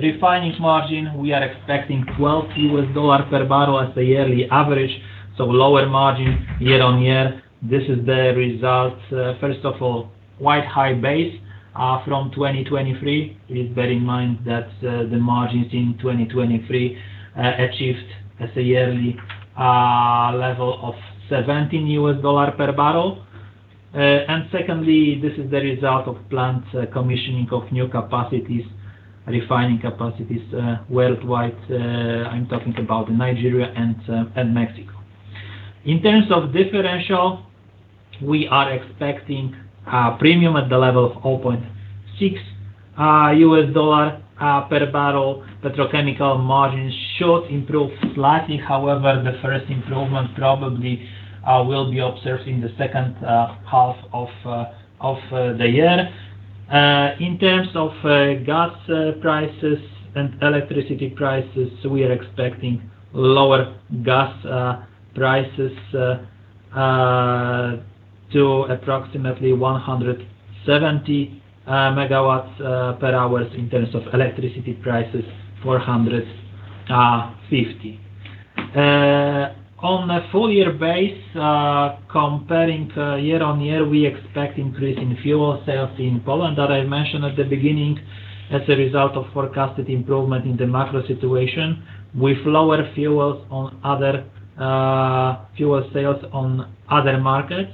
refining margin, we are expecting $12 per bbl as a yearly average, so lower margin year-on-year. This is the result. First of all, quite high base from 2023. Please bear in mind that the margins in 2023 achieved as a yearly level of $17 per bbl. And secondly, this is the result of plant commissioning of new capacities, refining capacities, worldwide. I'm talking about in Nigeria and Mexico. In terms of differential, we are expecting a premium at the level of $0.6 per bbl. Petrochemical margins should improve slightly. However, the first improvement probably will be observed in the second half of the year. In terms of gas prices and electricity prices, we are expecting lower gas prices to approximately 170/MWh. In terms of electricity prices, 450/MWh. On a full-year basis, comparing year-on-year, we expect increase in fuel sales in Poland, that I mentioned at the beginning, as a result of forecasted improvement in the macro situation, with lower fuel sales on other markets.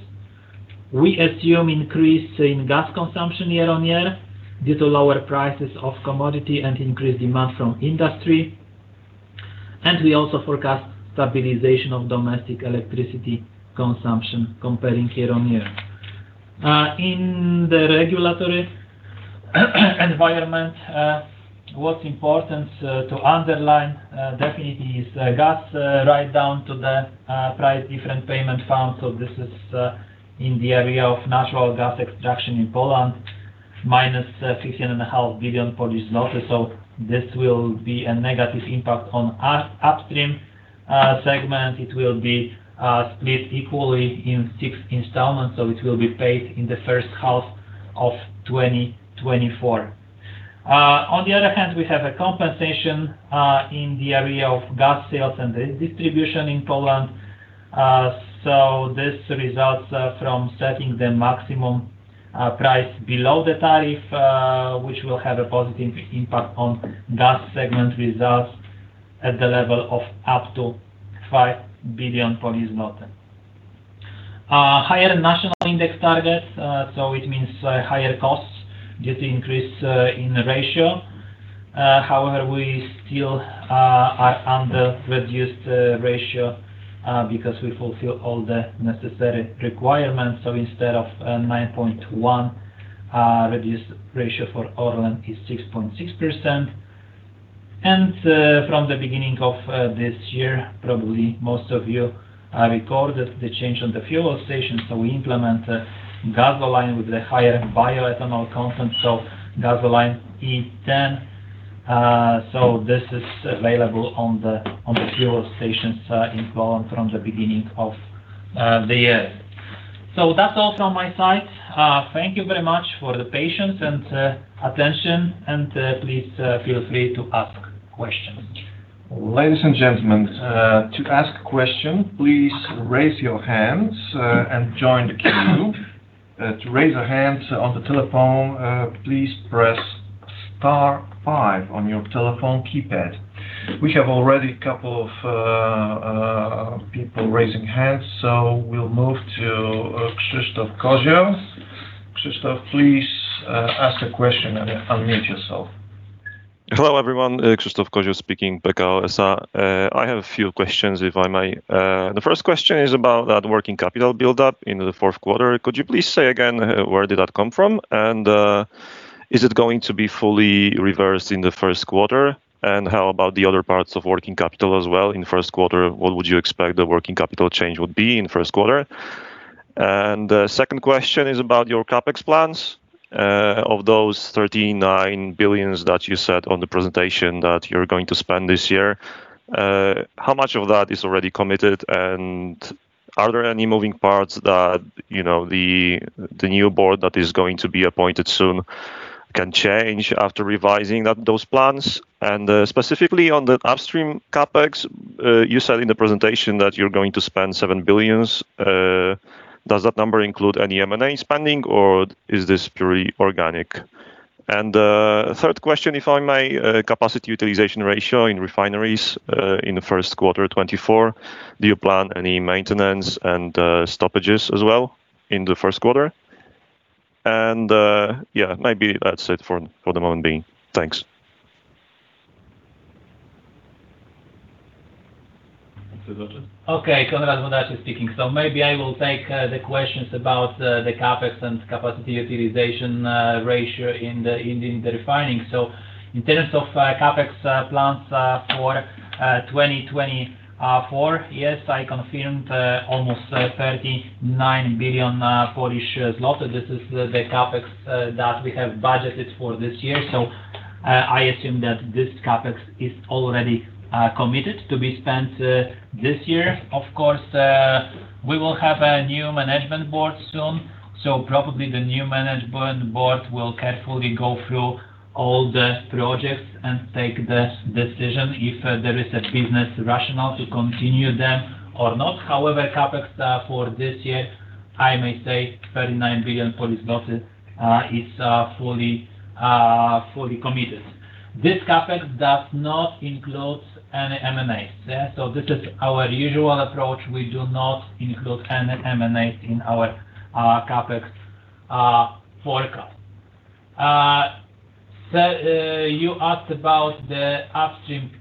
We assume increase in gas consumption year-on-year, due to lower prices of commodity and increased demand from industry. And we also forecast stabilization of domestic electricity consumption comparing year-on-year. In the regulatory environment, what's important to underline definitely is gas right down to the price difference payment fund. This is in the area of natural gas extraction in Poland, -16.5 billion Polish zloty. This will be a negative impact on our Upstream segment. It will be split equally in six installments, so it will be paid in the first half of 2024. On the other hand, we have a compensation in the area of gas sales and the distribution in Poland. This results from setting the maximum price below the tariff, which will have a positive impact on Gas segment results at the level of up to 5 billion. Higher national index targets, so it means higher costs due to increase in ratio. However, we still are under reduced ratio because we fulfill all the necessary requirements. So instead of 9.1%, reduced ratio for ORLEN is 6.6%. And from the beginning of this year, probably most of you recorded the change on the fuel station. So we implement a gasoline with a higher bioethanol content, so gasoline E10. So this is available on the fuel stations in Poland from the beginning of the year. So that's all from my side. Thank you very much for the patience and attention, and please feel free to ask questions. Ladies and gentlemen, to ask a question, please raise your hands and join the queue. To raise a hand on the telephone, please press star five on your telephone keypad. We have already a couple of people raising hands, so we'll move to Krzysztof Kozieł. Krzysztof, please, ask a question and unmute yourself. Hello, everyone, Krzysztof Kozieł speaking, Pekao IB. I have a few questions, if I may. The first question is about that working capital build-up in the fourth quarter. Could you please say again, where did that come from? And, is it going to be fully reversed in the first quarter? And how about the other parts of working capital as well in the first quarter? What would you expect the working capital change would be in first quarter? And the second question is about your CapEx plans. Of those 39 billion that you said on the presentation that you're going to spend this year, how much of that is already committed? And are there any moving parts that, you know, the, the new Board that is going to be appointed soon, can change after revising that, those plans? And, specifically on the Upstream CapEx, you said in the presentation that you're going to spend 7 billion. Does that number include any M&A spending, or is this purely organic? And, third question, if I may, capacity utilization ratio in refineries, in the first quarter of 2024, do you plan any maintenance and stoppages as well in the first quarter? And, yeah, maybe that's it for the moment being. Thanks. Okay. Konrad Włodarczyk speaking. So maybe I will take the questions about the CapEx and capacity utilization ratio in the Refining. So in terms of CapEx plans for 2024, yes, I confirmed almost 39 billion Polish zloty. This is the CapEx that we have budgeted for this year, so I assume that this CapEx is already committed to be spent this year. Of course, we will have a new management board soon, so probably the new management board will carefully go through all the projects and take the decision if there is a business rationale to continue them or not. However, CapEx for this year, I may say 39 billion, is fully committed. This CapEx does not include any M&A. Yeah, so this is our usual approach. We do not include any M&A in our CapEx forecast. So you asked about the Upstream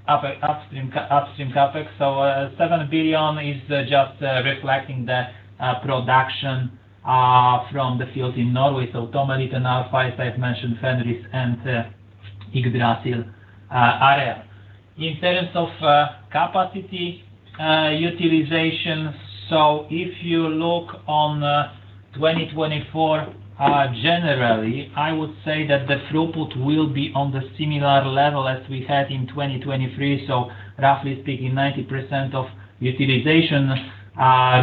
CapEx. So 7 billion is just reflecting the production from the fields in Norway, so Tommeliten, Alf, as I've mentioned, Fenris, and Yggdrasil area. In terms of capacity utilization, so if you look on 2024, generally, I would say that the throughput will be on the similar level as we had in 2023. So roughly speaking, 90% of utilization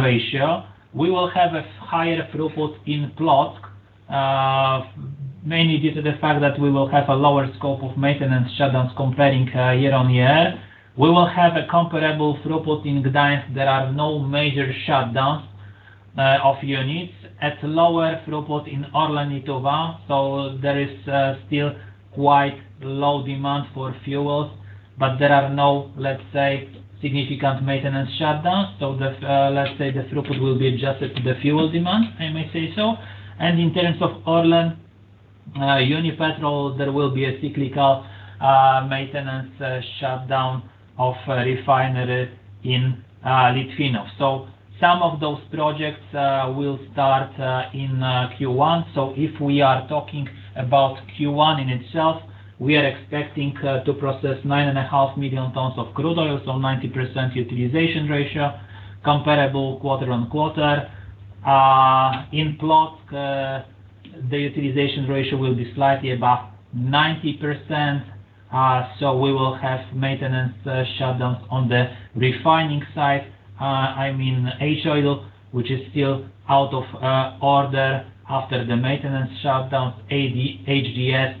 ratio. We will have a higher throughput in Płock, mainly due to the fact that we will have a lower scope of maintenance shutdowns comparing year-on-year. We will have a comparable throughput in Gdańsk. There are no major shutdowns of units. At lower throughput in ORLEN Lietuva, so there is still quite low demand for fuels, but there are no, let's say, significant maintenance shutdown. So the, let's say, the throughput will be adjusted to the fuel demand, I may say so. And in terms of ORLEN Unipetrol, there will be a cyclical maintenance shutdown of a refinery in Litvínov. So some of those projects will start in Q1. So if we are talking about Q1 in itself, we are expecting to process 9.5 million tons of crude oil, so 90% utilization ratio, comparable quarter-on-quarter. In Płock, the utilization ratio will be slightly above 90%. So we will have maintenance shutdowns on the refining side. I mean, H-Oil, which is still out of order after the maintenance shutdowns. HDS,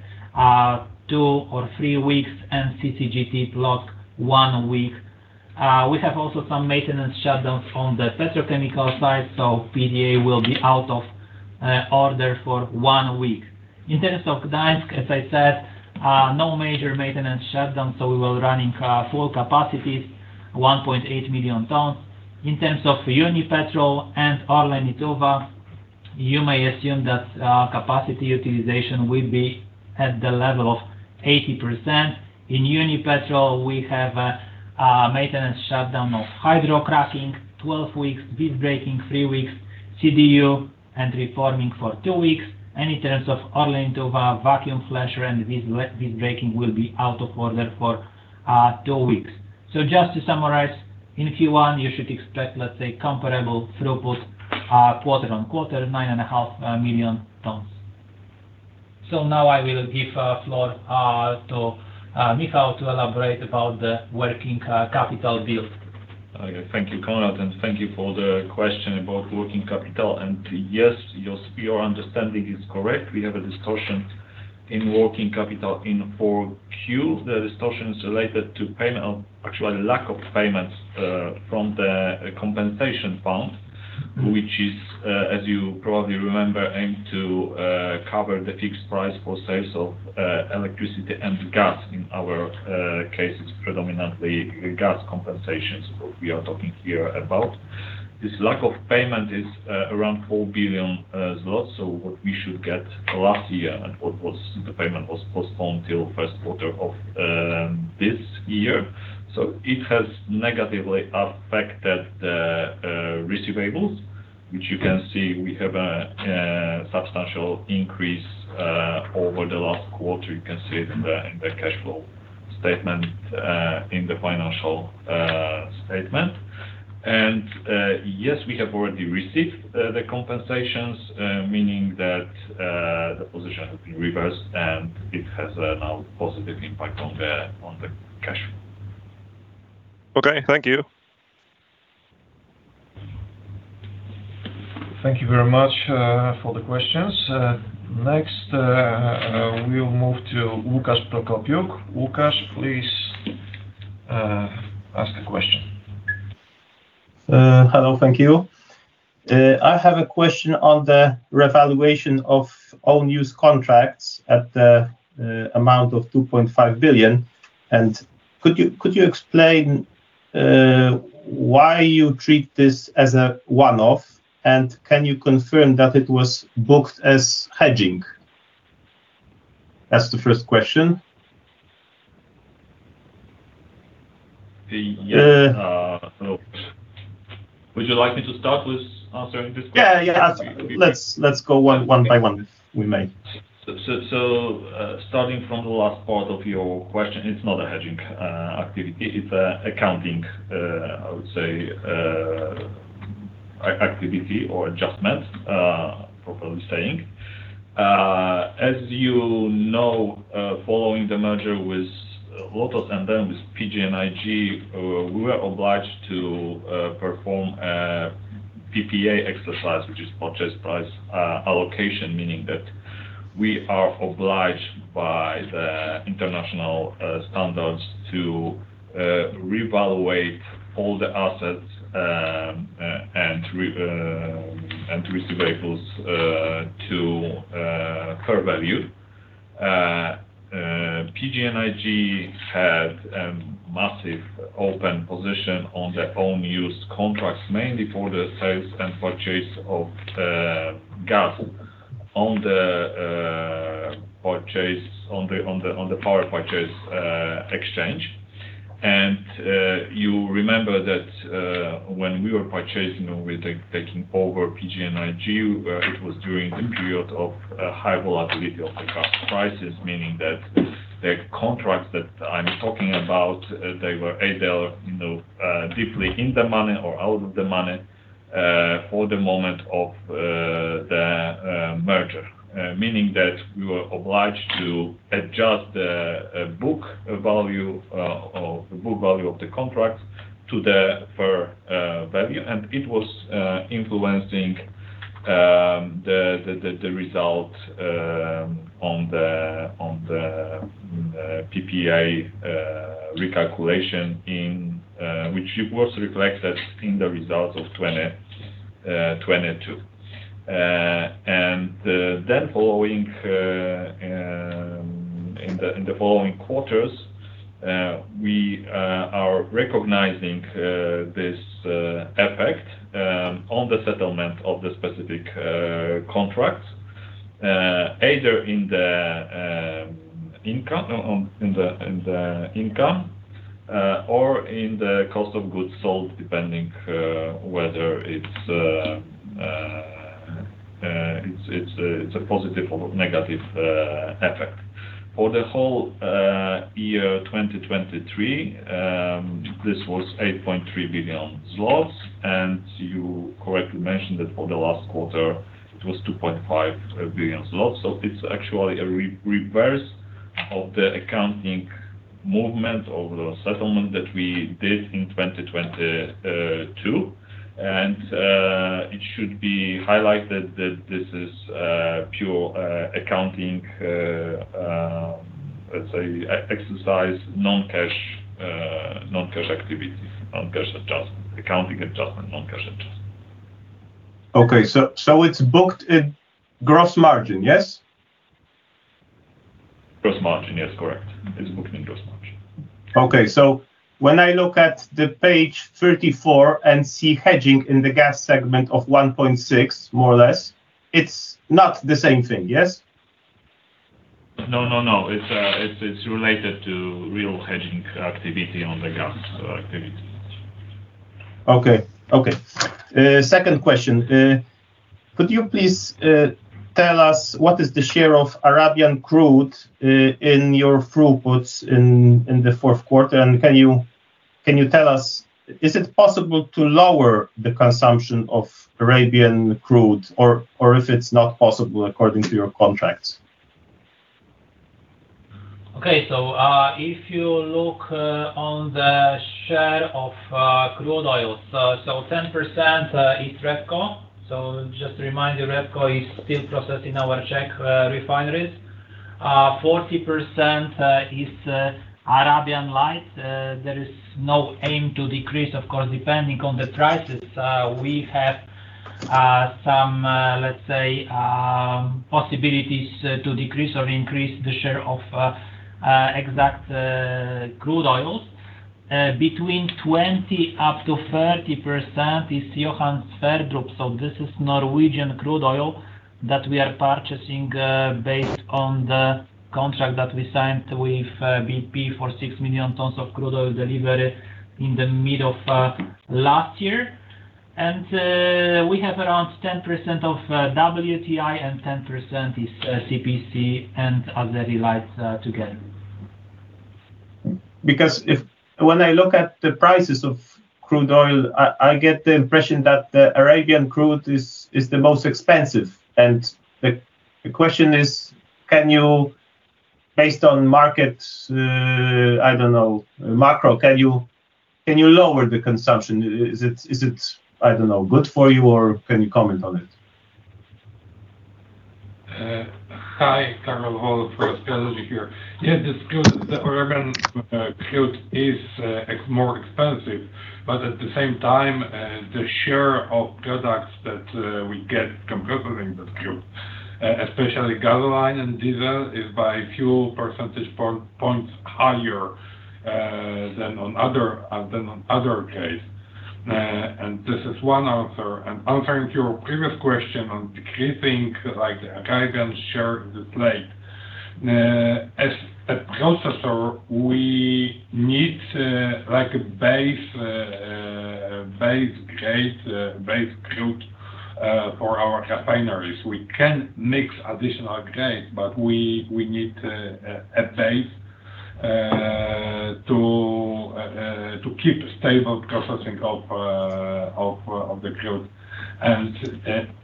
two or three weeks, and CCGT Płock, one week. We have also some maintenance shutdowns on the petrochemical side, so PTA will be out of order for one week. In terms of Gdańsk, as I said, no major maintenance shutdown, so we will run in full capacity, 1.8 million tons. In terms of Unipetrol and ORLEN Lietuva, you may assume that capacity utilization will be at the level of 80%. In Unipetrol, we have a maintenance shutdown of hydrocracking, 12 weeks, visbreaking, three weeks, CDU, and reforming for two weeks. In terms of ORLEN Lietuva, vacuum flasher and visbreaking will be out of order for two weeks. So just to summarize, in Q1, you should expect, let's say, comparable throughput, quarter-on-quarter, 9.5 million tons. Now I will give the floor to Michał to elaborate about the working capital build. Okay. Thank you, Konrad, and thank you for the question about working capital. Yes, your understanding is correct. We have a distortion in working capital in Q4. The distortion is related to payment, actually lack of payments, from the compensation fund, which is, as you probably remember, aimed to cover the fixed price for sales of electricity and gas. In our cases, predominantly gas compensations, what we are talking here about. This lack of payment is around 4 billion zloty. So what we should get last year and what was the payment was postponed till first quarter of this year. So it has negatively affected the receivables, which you can see we have a substantial increase over the last quarter. You can see it in the cash flow statement, in the financial statement. Yes, we have already received the compensations, meaning that the position has been reversed, and it has a now positive impact on the cash flow. Okay, thank you. .Thank you very much for the questions. Next, we'll move to Łukasz Prokopiuk. Łukasz, please, ask a question. Hello. Thank you. I have a question on the revaluation of own-use contracts at the amount of 2.5 billion, and could you explain why you treat this as a one-off? And can you confirm that it was booked as hedging? That's the first question. Yeah. So would you like me to start with answering this question? Yeah. Let's go one by one, we may. Starting from the last part of your question, it's not a hedging activity. It's an accounting, I would say, activity or adjustment, properly speaking. As you know, following the merger with Lotos and then with PGNiG, we were obliged to perform a PPA exercise, which is purchase price allocation, meaning that we are obliged by the international standards to revalue all the assets and receivables to fair value. PGNiG had massive open position on their own-use contracts, mainly for the sales and purchase of gas on the power purchase exchange. You remember that, when we were purchasing or taking over PGNiG, it was during the period of high volatility of the gas prices, meaning that the contracts that I'm talking about, they were either, you know, deeply in the money or out of the money, for the moment of the merger. Meaning that we were obliged to adjust the book value of the contract to the fair value, and it was influencing the result on the PPA recalculation in which it was reflected in the results of 2022. Then following in the following quarters, we are recognizing this effect on the settlement of the specific contracts, either in the income, on, in the income, or in the cost of goods sold, depending whether it's it's a positive or negative effect. For the whole year, 2023, this was 8.3 billion zlotys, and you correctly mentioned that for the last quarter, it was 2.5 billion zlotys. So it's actually a reverse of the accounting movement or the settlement that we did in 2022. And it should be highlighted that this is pure accounting, let's say, exercise, non-cash activity, non-cash adjustment, accounting adjustment, non-cash adjustment. Okay, so it's booked in gross margin, yes? Gross margin, yes, correct. It's booked in gross margin. Okay. So when I look at the Page 34 and see hedging in the Gas segment of 1.6, more or less, it's not the same thing, yes? No, no, no. It's related to real hedging activity on the Gas activity. Okay. Okay. Second question. Could you please tell us what is the share of Arabian crude in your throughputs in the fourth quarter? And can you tell us, is it possible to lower the consumption of Arabian crude or if it's not possible according to your contracts? Okay, so if you look on the share of crude oils, so 10% is REBCO. So just to remind you, REBCO is still processing our Czech refineries. 40% is Arabian Light. There is no aim to decrease, of course, depending on the prices. We have some, let's say, possibilities to decrease or increase the share of exact crude oils. Between 20%-30% is Johan Sverdrup, so this is Norwegian crude oil that we are purchasing based on the contract that we signed with BP for 6 million tons of crude oil delivery in the mid of last year. We have around 10% of WTI, and 10% is CPC and other lights together. When I look at the prices of crude oil, I get the impression that the Arabian crude is the most expensive and the question is, can you-based on markets, I don't know, macro-can you lower the consumption? Is it good for you, or can you comment on it? Hi, Karol Hołownia, Frost Energy here. Yeah, this crude, the Arabian crude is more expensive, but at the same time, the share of products that we get from covering that crude, especially gasoline and diesel, is by a few percentage points higher than in other cases. This is one answer. Answering to your previous question on decreasing, like, Arabian share of the slate. As a processor, we need, like, a base grade, base crude for our refineries. We can mix additional grade, but we need a base to keep stable processing of the crude.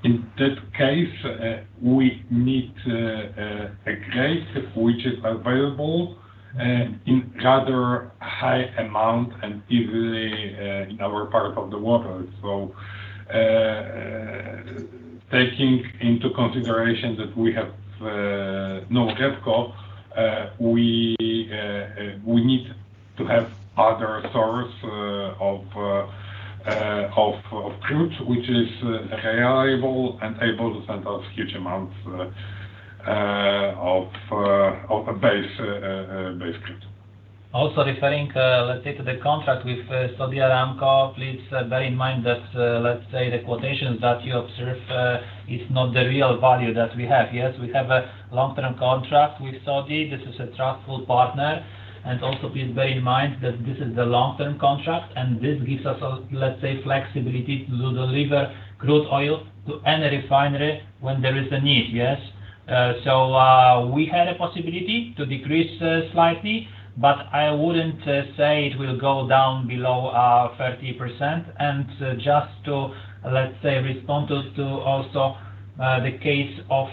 In that case, we need a grade which is available in rather high amount and easily in our part of the world. So, taking into consideration that we have no REBCO, we need to have other source of crude, which is reliable and able to send us huge amounts of base crude. Also referring, let's say to the contract with Saudi Aramco, please bear in mind that, let's say the quotations that you observe is not the real value that we have. Yes, we have a long-term contract with Saudi. This is a trustful partner. And also, please bear in mind that this is the long-term contract, and this gives us a, let's say, flexibility to deliver crude oil to any refinery when there is a need, yes? So, we had a possibility to decrease slightly, but I wouldn't say it will go down below 30%. And, just to, let's say, respond to also the case of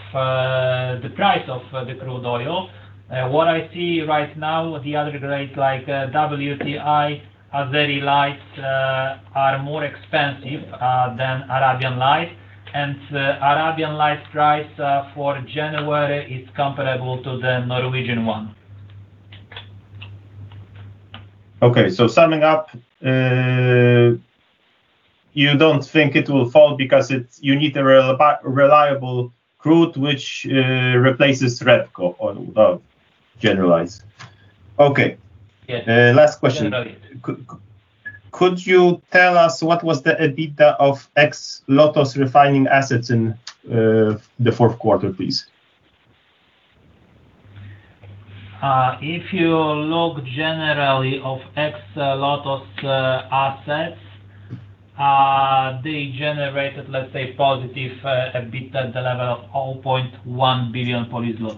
the price of the crude oil. What I see right now, the other grades like WTI are very light are more expensive than Arabian Light. Arabian Light price for January is comparable to the Norwegian one. Okay. So summing up, you don't think it will fall because it's... you need a reliable crude, which replaces REBCO or Urals. Okay. Yeah. Last question- Generally. Could you tell us what was the EBITDA of ex-LOTOS refining assets in the fourth quarter, please? If you look generally of ex LOTOS assets, they generated, let's say, positive EBITDA at the level of 0.1 billion.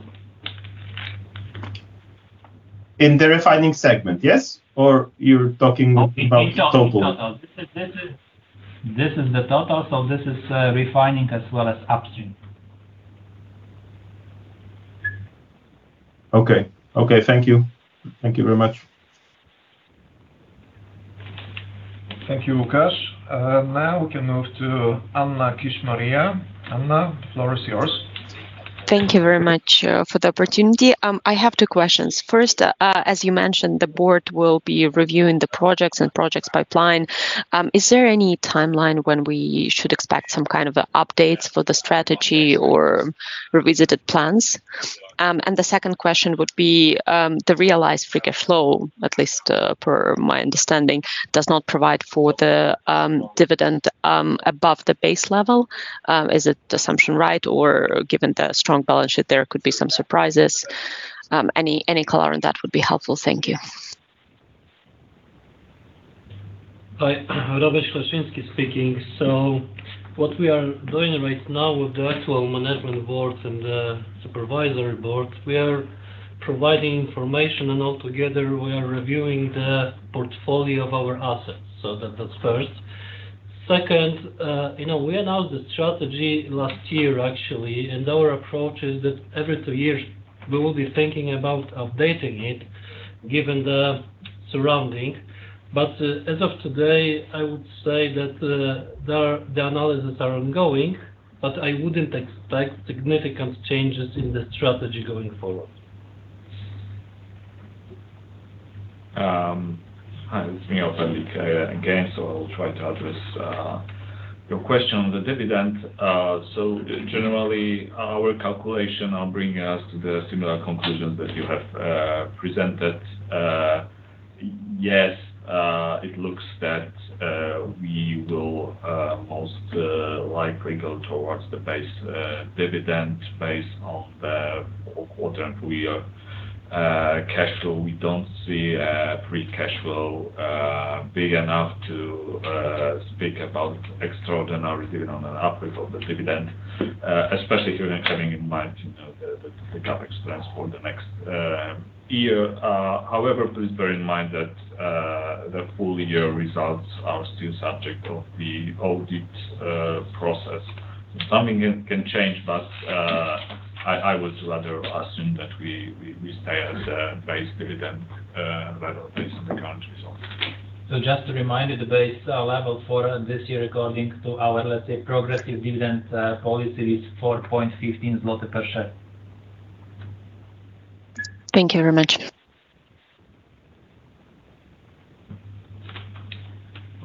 In the Refining segment, yes? Or you're talking about total? In total. This is, this is, this is the total, so this is, refining as well as upstream. Okay. Okay, thank you. Thank you very much. Thank you, Łukasz. Now we can move to Anna Kishmariya. Anna, floor is yours. Thank you very much for the opportunity. I have two questions. First, as you mentioned, the board will be reviewing the projects and projects pipeline. Is there any timeline when we should expect some kind of updates for the strategy or revisited plans? And the second question would be, the realized free cash flow, at least, per my understanding, does not provide for the, dividend, above the base level. Is the assumption right, or given the strong balance sheet, there could be some surprises? Any, any color on that would be helpful. Thank you. Hi, Robert Soszyński speaking. So what we are doing right now with the actual Management Board and the Supervisory Board, we are providing information, and altogether we are reviewing the portfolio of our assets. So that's first. Second, you know, we announced the strategy last year, actually, and our approach is that every two years we will be thinking about updating it, given the surrounding. But, as of today, I would say that, the analysis are ongoing, but I wouldn't expect significant changes in the strategy going forward. Hi, this is me again. So I'll try to address your question on the dividend. So generally, our calculation are bringing us to the similar conclusion that you have presented. Yes, it looks that we will most likely go towards the base dividend base of the quarter. Cash flow, we don't see a free cash flow big enough to speak about extraordinary dividend on the uplift of the dividend, especially here when having in mind, you know, the CapEx plans for the next year. However, please bear in mind that the full year results are still subject of the audit process. Something can change, but I would rather assume that we stay as a base dividend rather based in the countries. Okay.... So just a reminder, the base level for this year according to our, let's say, progressive dividend policy is 4.15 zloty per share. Thank you very much.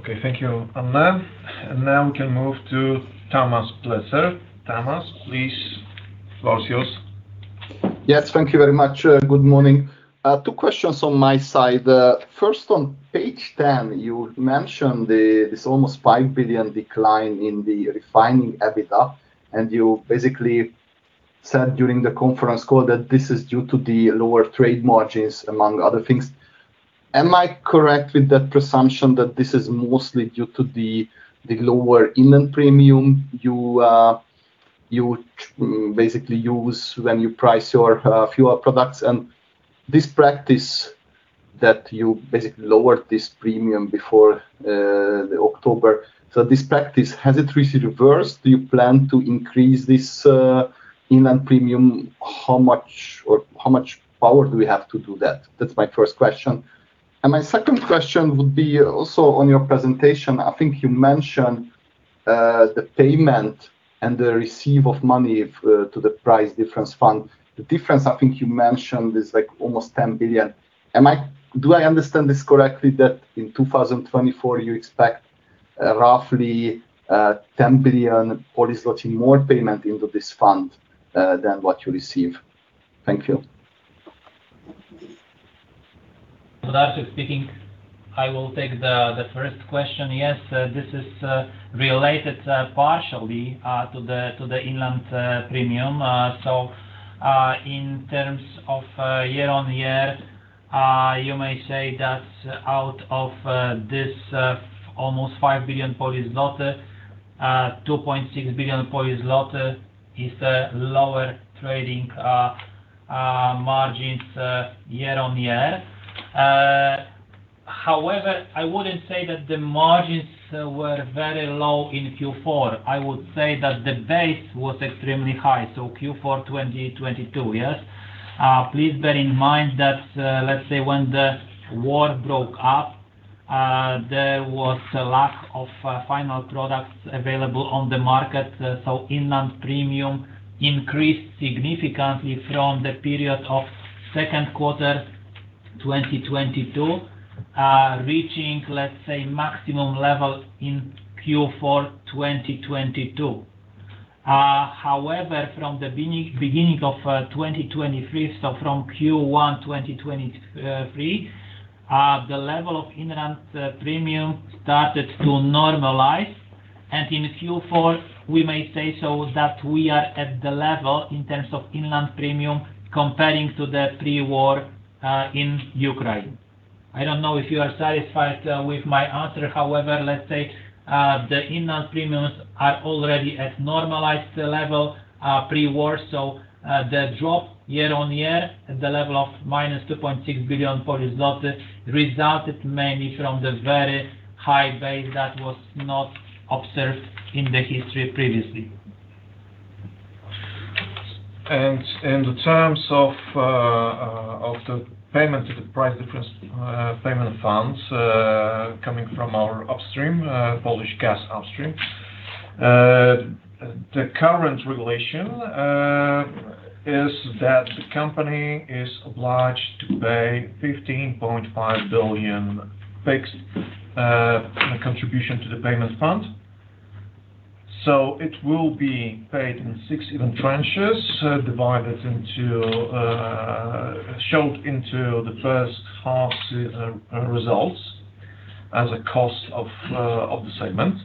Okay, thank you, Anna. Now we can move to Tamás Pletser. Tamás, please, floor is yours. Yes, thank you very much. Good morning. Two questions on my side. First, on Page 10, you mentioned this almost 5 billion decline in the Refining EBITDA, and you basically said during the conference call that this is due to the lower trade margins, among other things. Am I correct with the presumption that this is mostly due to the lower Inland Premium you basically use when you price your fuel products? And this practice that you basically lowered this premium before October, so this practice, has it recently reversed? Do you plan to increase this Inland Premium? How much or how much power do we have to do that? That's my first question. And my second question would be also on your presentation. I think you mentioned the payment and the receive of money to the price difference fund. The difference, I think you mentioned, is like almost 10 billion. Am I? Do I understand this correctly, that in 2024, you expect roughly 10 billion more payment into this fund than what you receive? Thank you. So, speaking, I will take the first question. Yes, this is related partially to the Inland Premium. So, in terms of year-on-year, you may say that out of this almost 5 billion, 2.6 billion is lower trading margins year-on-year. However, I wouldn't say that the margins were very low in Q4. I would say that the base was extremely high, so Q4 2022, yes? Please bear in mind that, let's say when the war broke out, there was a lack of final products available on the market, so Inland Premium increased significantly from the period of second quarter 2022, reaching, let's say, maximum level in Q4 2022. However, from the beginning of 2023, so from Q1 2023, the level of Inland Premium started to normalize. And in Q4, we may say so that we are at the level in terms of Inland Premium comparing to the pre-war in Ukraine. I don't know if you are satisfied with my answer. However, let's say the Inland Premiums are already at normalized level pre-war. So, the drop year-on-year, the level of -2.6 billion Polish zloty, resulted mainly from the very high base that was not observed in the history previously. In the terms of the payment, the price difference payment funds coming from our upstream Polish gas upstream, the current regulation is that the company is obliged to pay 15.5 billion fixed contribution to the payment fund. So it will be paid in 6 even tranches, divided into shown into the first half results as a cost of the segment.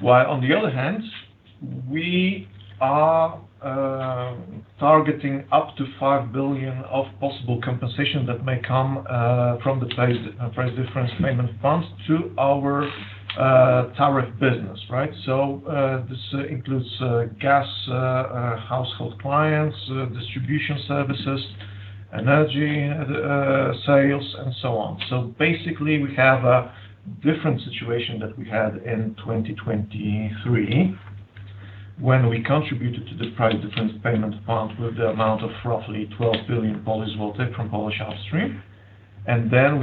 While on the other hand, we are targeting up to 5 billion of possible compensation that may come from the price difference payment funds to our Tariff business, right? So this includes gas household clients, distribution services, energy sales, and so on. So basically, we have a different situation that we had in 2023, when we contributed to the price difference payment fund with the amount of roughly 12 billion from Polish Upstream, and then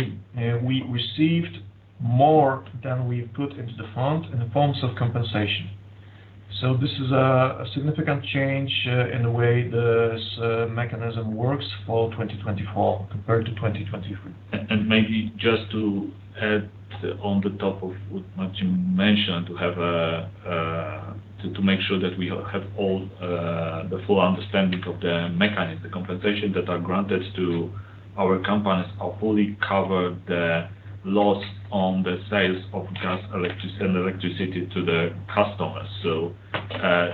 we received more than we put into the fund in the forms of compensation. So this is a significant change in the way this mechanism works for 2024 compared to 2023. Maybe just to add on the top of what Marcin mentioned, to make sure that we have all the full understanding of the mechanism, the compensation that are granted to our companies are fully covered the loss on the sales of gas, electricity and electricity to the customers. So,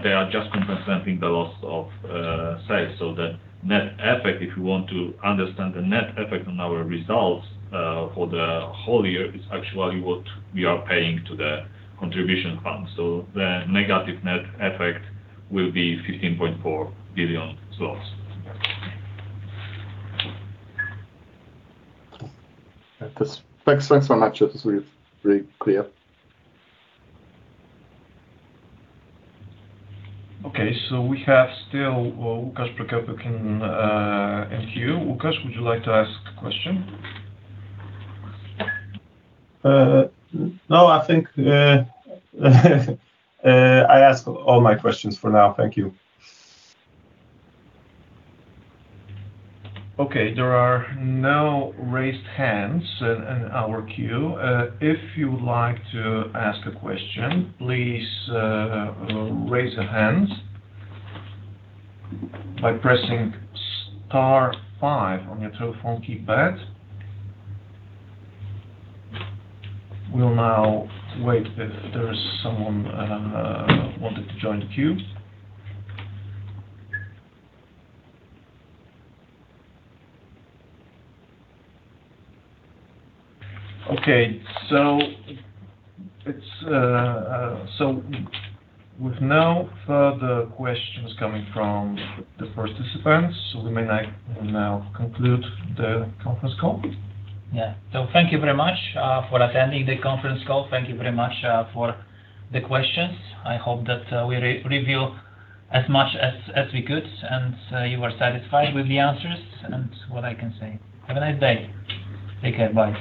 they are just compensating the loss of sales. So the net effect, if you want to understand the net effect on our results, for the whole year, is actually what we are paying to the contribution fund. So the negative net effect will be 15.4 billion zlotys. Thanks. Thanks very much. It's very, very clear. Okay, so we have still, Łukasz Prokopiuk in, in queue. Łukasz, would you like to ask a question? No, I think, I asked all my questions for now. Thank you. Okay. There are no raised hands in our queue. If you would like to ask a question, please raise your hands by pressing star five on your telephone keypad. We'll now wait if there is someone wanted to join the queue. Okay, so it's. So with no further questions coming from the participants, we may now conclude the conference call. Yeah. So thank you very much for attending the conference call. Thank you very much for the questions. I hope that we review as much as we could, and you are satisfied with the answers and what I can say, have a nice day. Take care. Bye.